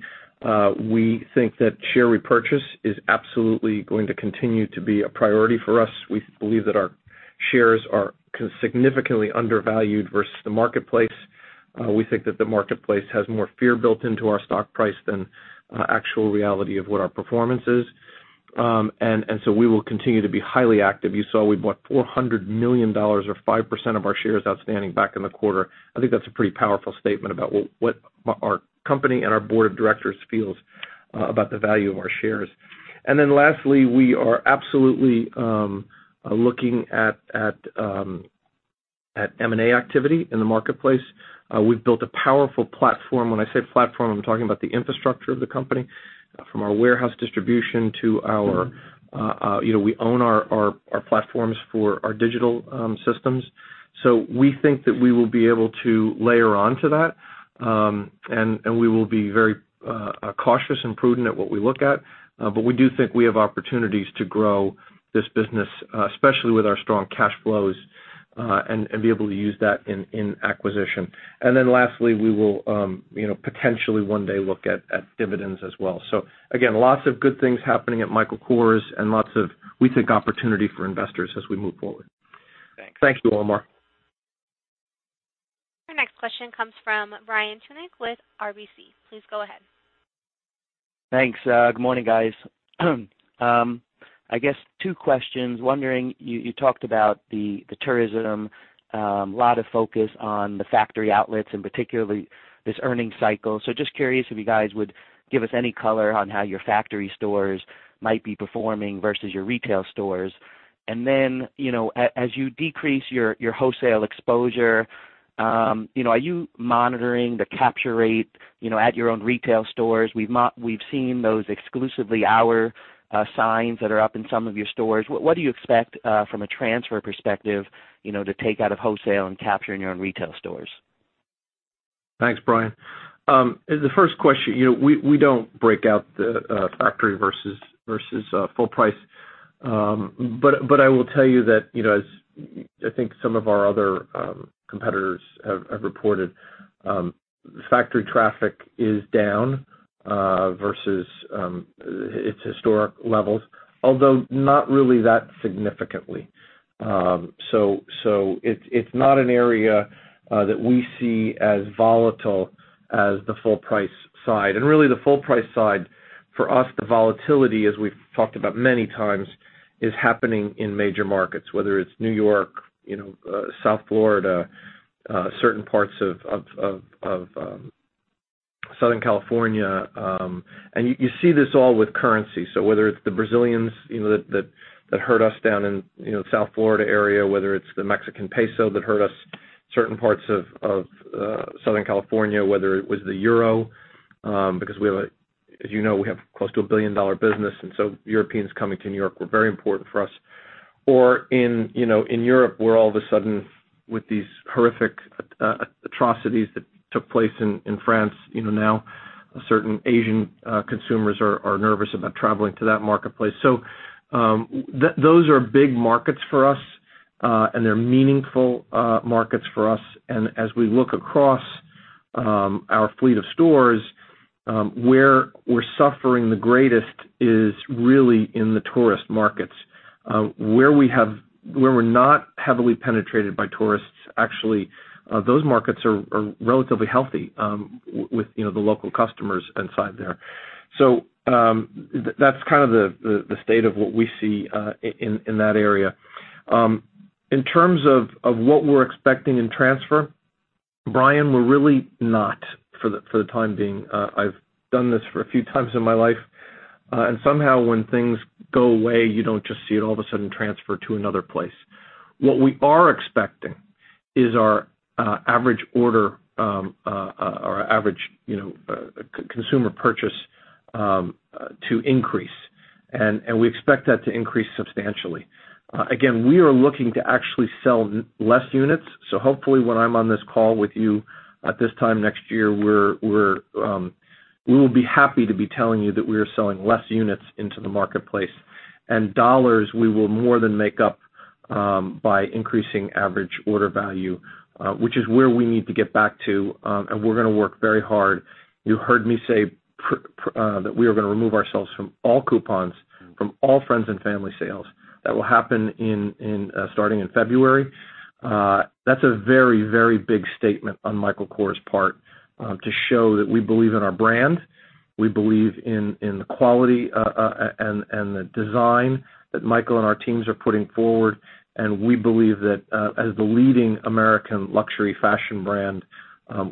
we think that share repurchase is absolutely going to continue to be a priority for us. We believe that our shares are significantly undervalued versus the marketplace. We think that the marketplace has more fear built into our stock price than actual reality of what our performance is. We will continue to be highly active. You saw we bought $400 million or 5% of our shares outstanding back in the quarter. I think that's a pretty powerful statement about what our company and our board of directors feels about the value of our shares. Lastly, we are absolutely looking at M&A activity in the marketplace. We've built a powerful platform. When I say platform, I'm talking about the infrastructure of the company, from our warehouse distribution to our, we own our platforms for our digital systems. We think that we will be able to layer onto that, and we will be very cautious and prudent at what we look at. We do think we have opportunities to grow this business, especially with our strong cash flows, and be able to use that in acquisition. Lastly, we will potentially one day look at dividends as well. Again, lots of good things happening at Michael Kors and lots of, we think, opportunity for investors as we move forward. Thanks. Thank you, Omar. Our next question comes from Brian Tunick with RBC. Please go ahead. Thanks. Good morning, guys. I guess two questions. Wondering, you talked about the tourism, a lot of focus on the factory outlets and particularly this earning cycle. Just curious if you guys would give us any color on how your factory stores might be performing versus your retail stores. As you decrease your wholesale exposure, are you monitoring the capture rate at your own retail stores? We've seen those "Exclusively Our" signs that are up in some of your stores. What do you expect from a transfer perspective to take out of wholesale and capture in your own retail stores? Thanks, Brian. The first question, we don't break out the factory versus full price. I will tell you that, as I think some of our other competitors have reported, factory traffic is down versus its historic levels, although not really that significantly. It's not an area that we see as volatile as the full price side. Really the full price side for us, the volatility, as we've talked about many times, is happening in major markets, whether it's New York, South Florida, certain parts of Southern California. You see this all with currency. Whether it's the Brazilians that hurt us down in South Florida area, whether it's the Mexican peso that hurt us, certain parts of Southern California, whether it was the euro, because as you know, we have close to a billion-dollar business, and so Europeans coming to New York were very important for us. In Europe, where all of a sudden with these horrific atrocities that took place in France now certain Asian consumers are nervous about traveling to that marketplace. Those are big markets for us, and they're meaningful markets for us. As we look across our fleet of stores, where we're suffering the greatest is really in the tourist markets. Where we're not heavily penetrated by tourists, actually, those markets are relatively healthy with the local customers inside there. That's the state of what we see in that area. In terms of what we're expecting in transfer, Brian, we're really not for the time being. I've done this for a few times in my life. Somehow when things go away, you don't just see it all of a sudden transfer to another place. What we are expecting is our average order or our average consumer purchase to increase, and we expect that to increase substantially. Again, we are looking to actually sell less units. Hopefully when I'm on this call with you at this time next year, we will be happy to be telling you that we are selling less units into the marketplace. Dollars we will more than make up by increasing average order value, which is where we need to get back to, and we're going to work very hard. You heard me say that we are going to remove ourselves from all coupons, from all friends and family sales. That will happen starting in February. That's a very, very big statement on Michael Kors' part to show that we believe in our brand, we believe in the quality and the design that Michael and our teams are putting forward, and we believe that as the leading American luxury fashion brand,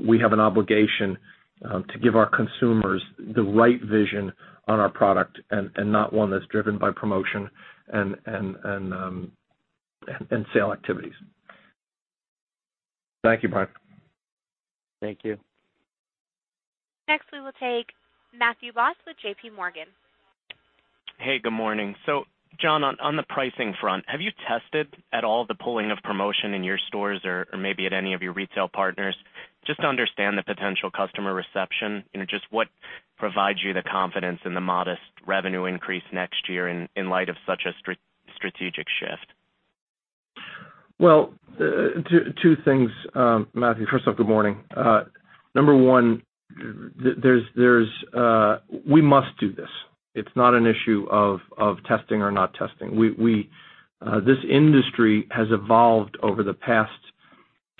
we have an obligation to give our consumers the right vision on our product and not one that's driven by promotion and sale activities. Thank you, Brian. Thank you. Next, we will take Matthew Boss with JP Morgan. Hey, good morning. John, on the pricing front, have you tested at all the pulling of promotion in your stores or maybe at any of your retail partners, just to understand the potential customer reception? Just what provides you the confidence in the modest revenue increase next year in light of such a strategic shift? Well, two things, Matthew. First off, good morning. Number one, we must do this. It's not an issue of testing or not testing. This industry has evolved over the past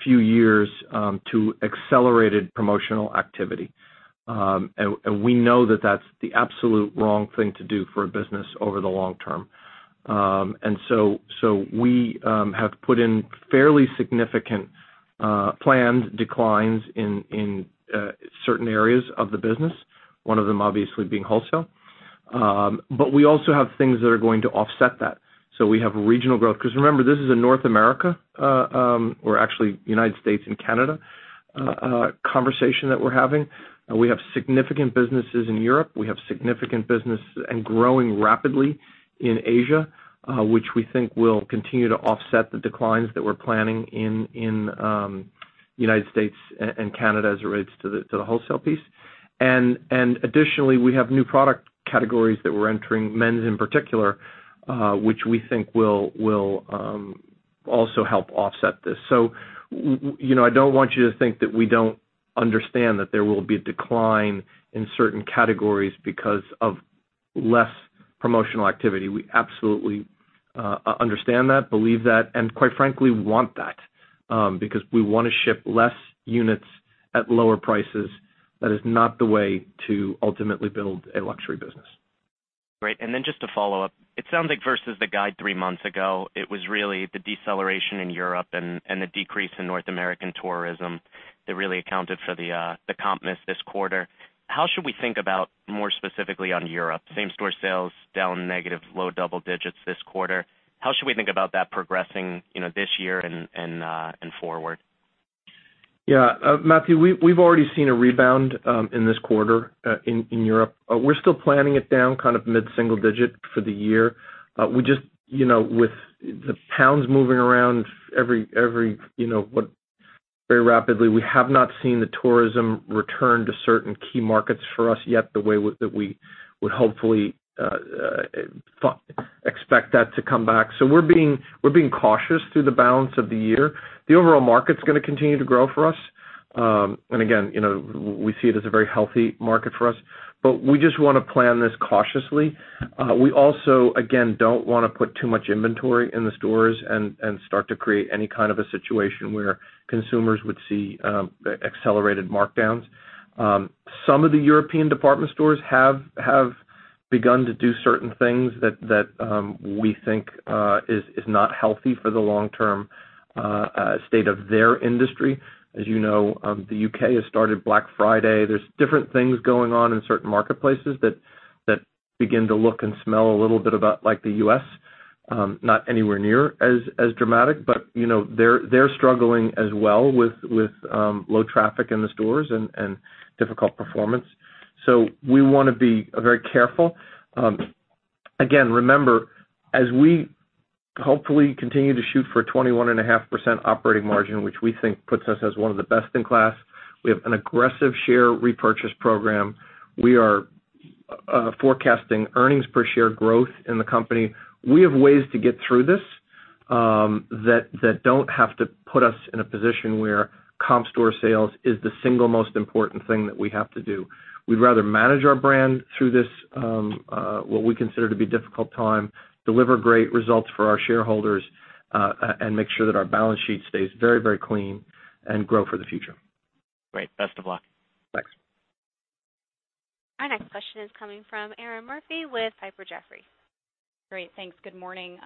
few years to accelerated promotional activity. We know that that's the absolute wrong thing to do for a business over the long term. We have put in fairly significant planned declines in certain areas of the business. One of them obviously being wholesale. We also have things that are going to offset that. We have regional growth, because remember, this is a North America, or actually United States and Canada conversation that we're having. We have significant businesses in Europe. We have significant business and growing rapidly in Asia, which we think will continue to offset the declines that we're planning in United States and Canada as it relates to the wholesale piece. Additionally, we have new product categories that we're entering, men's in particular, which we think will also help offset this. I don't want you to think that we don't understand that there will be a decline in certain categories because of less promotional activity. We absolutely understand that, believe that, and quite frankly, want that. Because we want to ship less units at lower prices. That is not the way to ultimately build a luxury business. Great. Just to follow up, it sounds like versus the guide 3 months ago, it was really the deceleration in Europe and the decrease in North American tourism That really accounted for the comp miss this quarter. How should we think about more specifically on Europe, same-store sales down negative low double digits this quarter. How should we think about that progressing this year and forward? Matthew, we've already seen a rebound in this quarter in Europe. We're still planning it down mid-single digit for the year. With the pounds moving around very rapidly, we have not seen the tourism return to certain key markets for us yet, the way that we would hopefully expect that to come back. We're being cautious through the balance of the year. The overall market's going to continue to grow for us. Again, we see it as a very healthy market for us. We just want to plan this cautiously. We also, again, don't want to put too much inventory in the stores and start to create any kind of a situation where consumers would see accelerated markdowns. Some of the European department stores have begun to do certain things that we think is not healthy for the long-term state of their industry. As you know, the U.K. has started Black Friday. There's different things going on in certain marketplaces that begin to look and smell a little bit like the U.S. Not anywhere near as dramatic, but they're struggling as well with low traffic in the stores and difficult performance. We want to be very careful. Again, remember, as we hopefully continue to shoot for a 21.5% operating margin, which we think puts us as one of the best in class, we have an aggressive share repurchase program. We are forecasting earnings per share growth in the company. We have ways to get through this that don't have to put us in a position where comp store sales is the single most important thing that we have to do. We'd rather manage our brand through this, what we consider to be difficult time, deliver great results for our shareholders, and make sure that our balance sheet stays very, very clean and grow for the future. Great. Best of luck. Thanks. Our next question is coming from Erinn Murphy with Piper Jaffray. Great. Thanks. Good morning.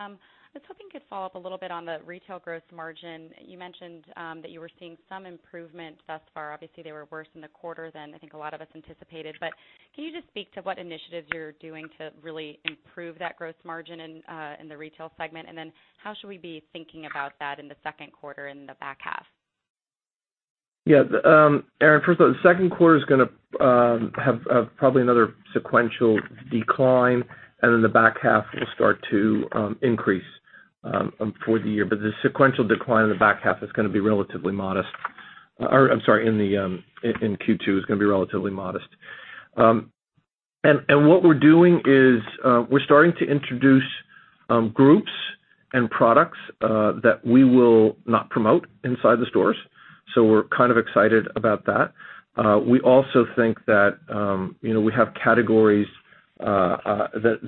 I was hoping you could follow up a little bit on the retail gross margin. You mentioned that you were seeing some improvement thus far. Obviously, they were worse in the quarter than I think a lot of us anticipated. Can you just speak to what initiatives you're doing to really improve that gross margin in the retail segment, then how should we be thinking about that in the second quarter and the back half? Erinn, first of all, the second quarter is going to have probably another sequential decline, then the back half will start to increase for the year. The sequential decline in Q2 is going to be relatively modest. What we're doing is we're starting to introduce groups and products that we will not promote inside the stores. We're kind of excited about that. We also think that we have categories that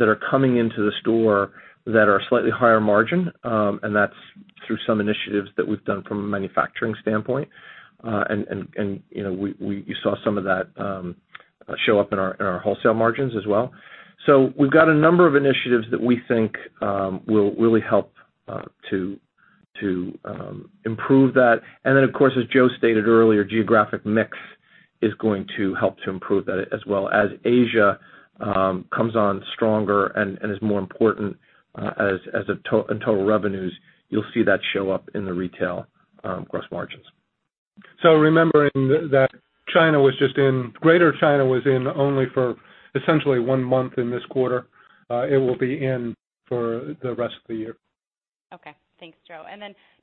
are coming into the store that are slightly higher margin, and that's through some initiatives that we've done from a manufacturing standpoint. You saw some of that show up in our wholesale margins as well. We've got a number of initiatives that we think will really help to improve that. Then, of course, as Joe stated earlier, geographic mix is going to help to improve that as well as Asia comes on stronger and is more important in total revenues, you'll see that show up in the retail gross margins. Remembering that Greater China was in only for essentially one month in this quarter. It will be in for the rest of the year. Okay. Thanks, Joe.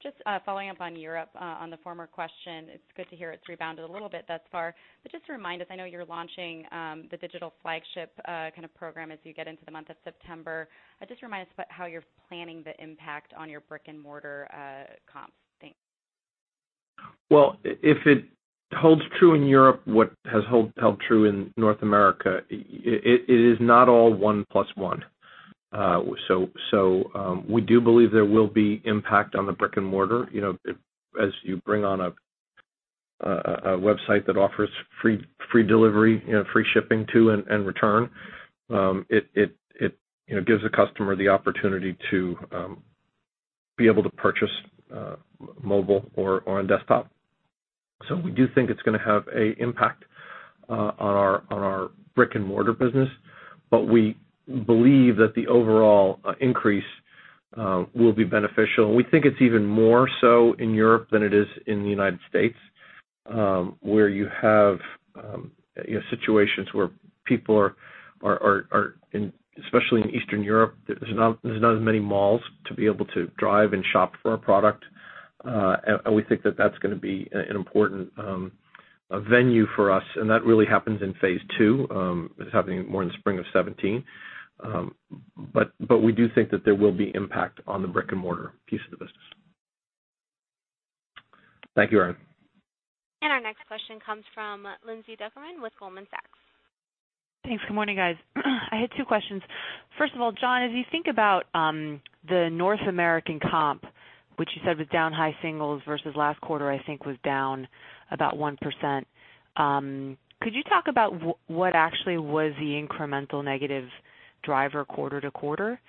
Just following up on Europe, on the former question, it's good to hear it's rebounded a little bit thus far, but just to remind us, I know you're launching the digital flagship kind of program as you get into the month of September. Just remind us about how you're planning the impact on your brick-and-mortar comps. Thanks. Well, if it holds true in Europe what has held true in North America, it is not all one plus one. We do believe there will be impact on the brick-and-mortar. As you bring on a website that offers free delivery, free shipping to and return, it gives a customer the opportunity to be able to purchase mobile or on desktop. We do think it's going to have an impact on our brick-and-mortar business, but we believe that the overall increase will be beneficial. We think it's even more so in Europe than it is in the United States, where you have situations where people are, especially in Eastern Europe, there's not as many malls to be able to drive and shop for a product. We think that that's going to be an important venue for us. That really happens in phase two. It's happening more in the spring of 2017. We do think that there will be impact on the brick-and-mortar piece of the business. Thank you, Erinn. Our next question comes from Lindsay Drucker Mann with Goldman Sachs. Thanks. Good morning, guys. I had two questions. First of all, John, as you think about the North American comp Which you said was down high singles versus last quarter, I think, was down about 1%. Could you talk about what actually was the incremental negative driver quarter-to-quarter?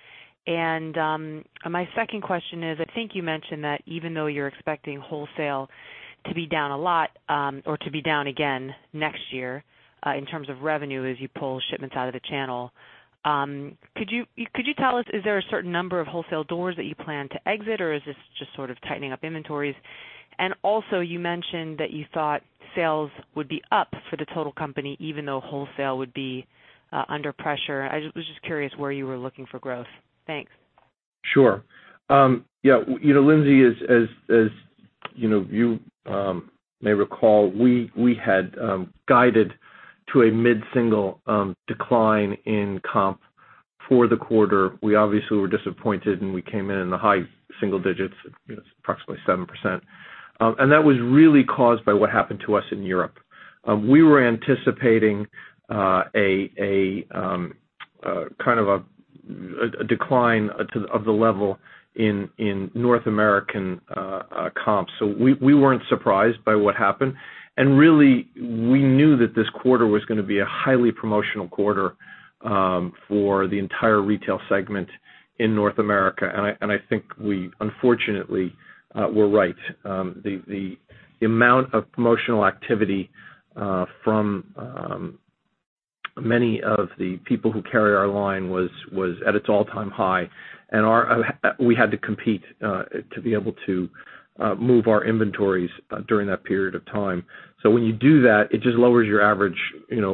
My second question is, I think you mentioned that even though you're expecting wholesale to be down a lot or to be down again next year in terms of revenue as you pull shipments out of the channel. Could you tell us, is there a certain number of wholesale doors that you plan to exit, or is this just sort of tightening up inventories? Also, you mentioned that you thought sales would be up for the total company, even though wholesale would be under pressure. I was just curious where you were looking for growth. Thanks. Sure. Yeah. Lindsay, as you may recall, we had guided to a mid-single decline in comp for the quarter. We obviously were disappointed, we came in in the high single digits at approximately 7%. That was really caused by what happened to us in Europe. We were anticipating a decline of the level in North American comps. We weren't surprised by what happened. Really, we knew that this quarter was going to be a highly promotional quarter for the entire retail segment in North America. I think we unfortunately were right. The amount of promotional activity from many of the people who carry our line was at its all-time high, and we had to compete to be able to move our inventories during that period of time. When you do that, it just lowers your average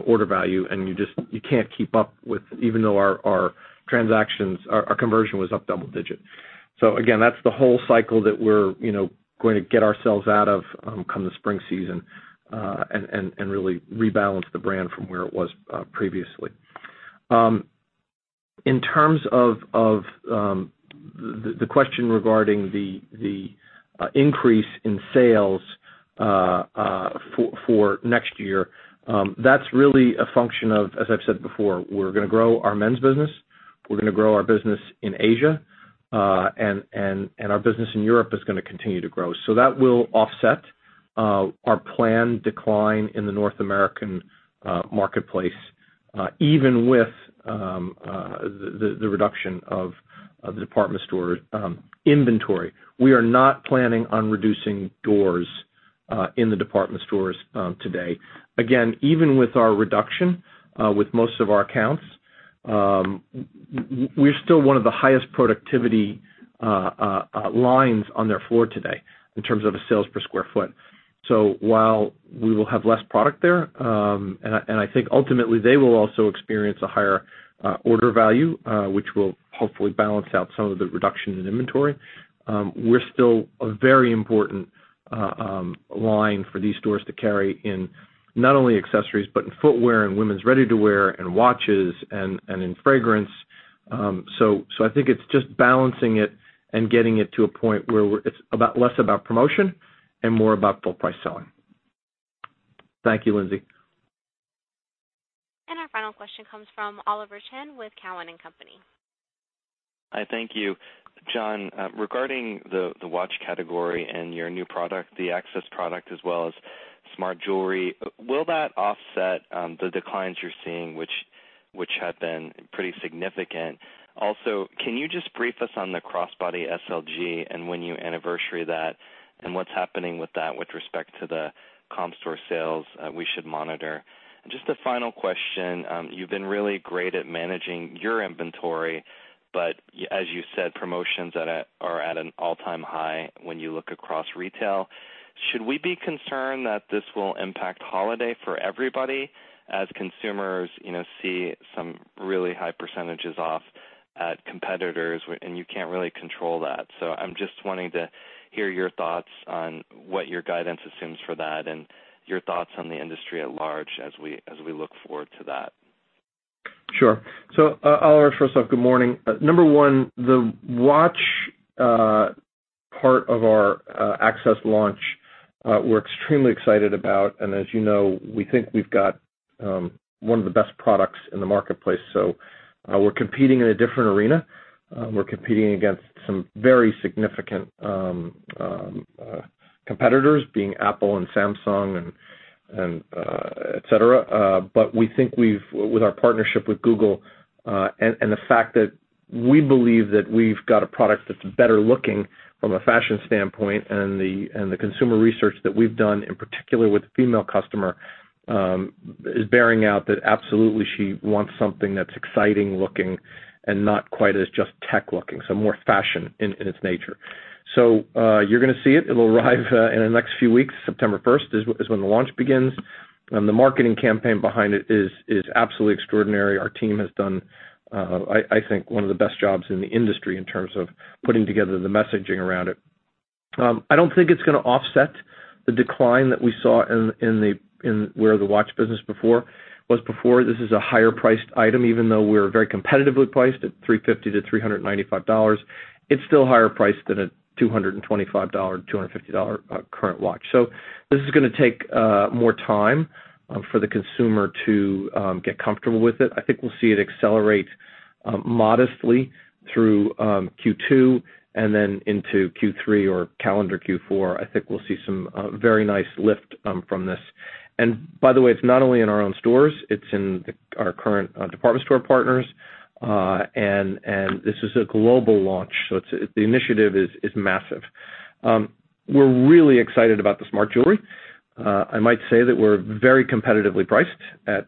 order value, and you can't keep up with it, even though our conversion was up double-digit. Again, that's the whole cycle that we're going to get ourselves out of come the spring season and really rebalance the brand from where it was previously. In terms of the question regarding the increase in sales for next year, that's really a function of, as I've said before, we're going to grow our men's business, we're going to grow our business in Asia, and our business in Europe is going to continue to grow. That will offset our planned decline in the North American marketplace, even with the reduction of the department store inventory. We are not planning on reducing doors in the department stores today. Again, even with our reduction with most of our accounts, we're still one of the highest productivity lines on their floor today in terms of sales per square foot. While we will have less product there, and I think ultimately they will also experience a higher order value, which will hopefully balance out some of the reduction in inventory. We're still a very important line for these stores to carry in not only accessories, but in footwear and women's ready-to-wear and watches and in fragrance. I think it's just balancing it and getting it to a point where it's less about promotion and more about full price selling. Thank you, Lindsay. Our final question comes from Oliver Chen with Cowen and Company. Thank you. John, regarding the watch category and your new product, the Access product, as well as smart jewelry, will that offset the declines you're seeing, which have been pretty significant? Also, can you just brief us on the crossbody SLG and when you anniversary that and what's happening with that with respect to the comp store sales we should monitor? Just a final question. You've been really great at managing your inventory, as you said, promotions are at an all-time high when you look across retail. Should we be concerned that this will impact holiday for everybody as consumers see some really high % off at competitors, you can't really control that? I'm just wanting to hear your thoughts on what your guidance assumes for that and your thoughts on the industry at large as we look forward to that. Sure. Oliver, first off, good morning. Number one, the watch part of our Access launch we're extremely excited about. As you know, we think we've got one of the best products in the marketplace. We're competing in a different arena. We're competing against some very significant competitors, being Apple and Samsung, et cetera. We think with our partnership with Google and the fact that we believe that we've got a product that's better looking from a fashion standpoint and the consumer research that we've done, in particular with the female customer, is bearing out that absolutely she wants something that's exciting looking and not quite as just tech looking, more fashion in its nature. You're going to see it. It'll arrive in the next few weeks. September 1st is when the launch begins. The marketing campaign behind it is absolutely extraordinary. Our team has done, I think, one of the best jobs in the industry in terms of putting together the messaging around it. I don't think it's going to offset the decline that we saw in where the watch business was before. This is a higher priced item. Even though we're very competitively priced at $350-$395, it's still higher priced than a $225, $250 current watch. This is going to take more time for the consumer to get comfortable with it. I think we'll see it accelerate modestly through Q2 and then into Q3 or calendar Q4. I think we'll see some very nice lift from this. By the way, it's not only in our own stores, it's in our current department store partners. This is a global launch, the initiative is massive. We're really excited about the smart jewelry. I might say that we're very competitively priced at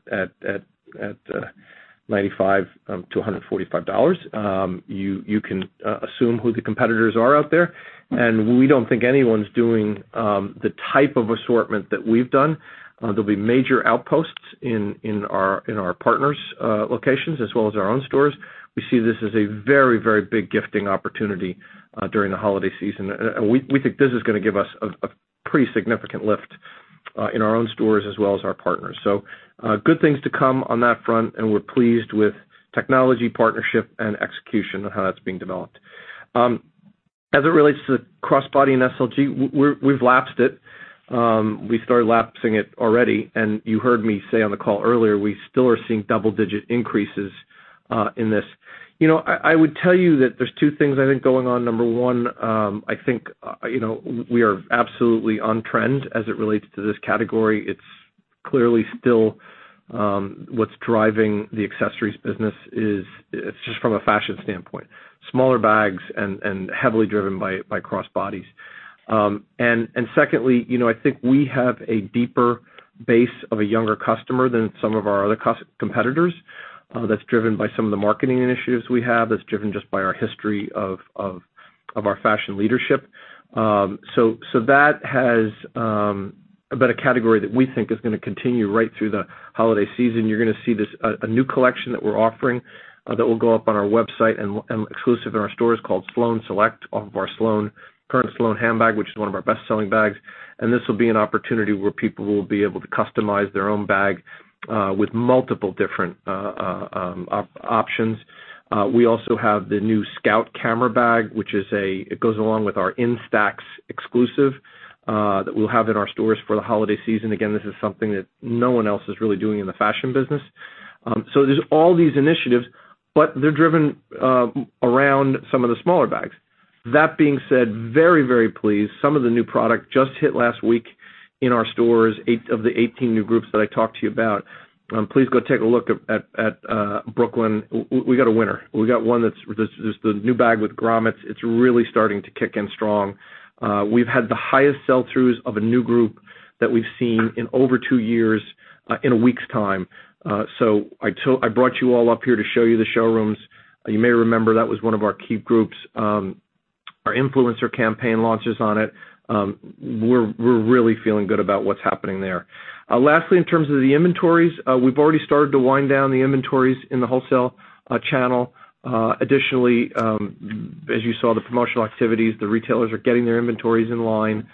$95-$145. You can assume who the competitors are out there, we don't think anyone's doing the type of assortment that we've done. There'll be major outposts in our partners' locations as well as our own stores. We see this as a very, very big gifting opportunity during the holiday season. We think this is going to give us a pretty significant lift in our own stores as well as our partners. Good things to come on that front, we're pleased with technology partnership and execution and how that's being developed. As it relates to the crossbody and SLG, we've lapsed it. We started lapsing it already, you heard me say on the call earlier, we still are seeing double-digit increases in this. I would tell you that there's two things I think going on. Number one, I think we are absolutely on trend as it relates to this category. It's clearly still what's driving the accessories business is, it's just from a fashion standpoint, smaller bags and heavily driven by crossbodies. Secondly, I think we have a deeper base of a younger customer than some of our other competitors that's driven by some of the marketing initiatives we have, that's driven just by our history of our fashion leadership. That has been a category that we think is going to continue right through the holiday season. You're going to see a new collection that we're offering that will go up on our website and exclusive in our stores called Sloan Select off of our current Sloan handbag, which is one of our best-selling bags. This will be an opportunity where people will be able to customize their own bag with multiple different options. We also have the new Scout camera bag, it goes along with our Instax exclusive that we'll have in our stores for the holiday season. Again, this is something that no one else is really doing in the fashion business. There's all these initiatives, but they're driven around some of the smaller bags. That being said, very, very pleased. Some of the new product just hit last week in our stores of the 18 new groups that I talked to you about. Please go take a look at Brooklyn. We got a winner. We got one that's the new bag with grommets. It's really starting to kick in strong. We've had the highest sell-throughs of a new group that we've seen in over two years in a week's time. I brought you all up here to show you the showrooms. You may remember that was one of our key groups. Our influencer campaign launches on it. We're really feeling good about what's happening there. Lastly, in terms of the inventories, we've already started to wind down the inventories in the wholesale channel. Additionally, as you saw the promotional activities, the retailers are getting their inventories in line.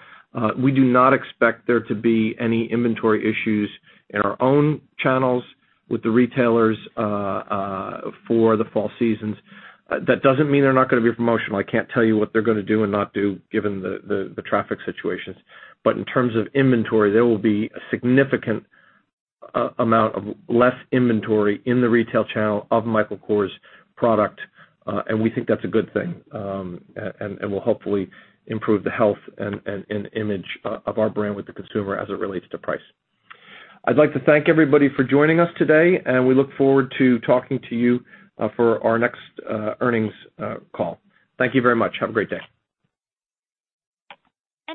We do not expect there to be any inventory issues in our own channels with the retailers for the fall seasons. That doesn't mean they're not going to be promotional. I can't tell you what they're going to do and not do given the traffic situations. In terms of inventory, there will be a significant amount of less inventory in the retail channel of Michael Kors product, and we think that's a good thing and will hopefully improve the health and image of our brand with the consumer as it relates to price. I'd like to thank everybody for joining us today, and we look forward to talking to you for our next earnings call. Thank you very much. Have a great day.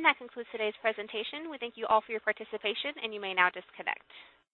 That concludes today's presentation. We thank you all for your participation, and you may now disconnect.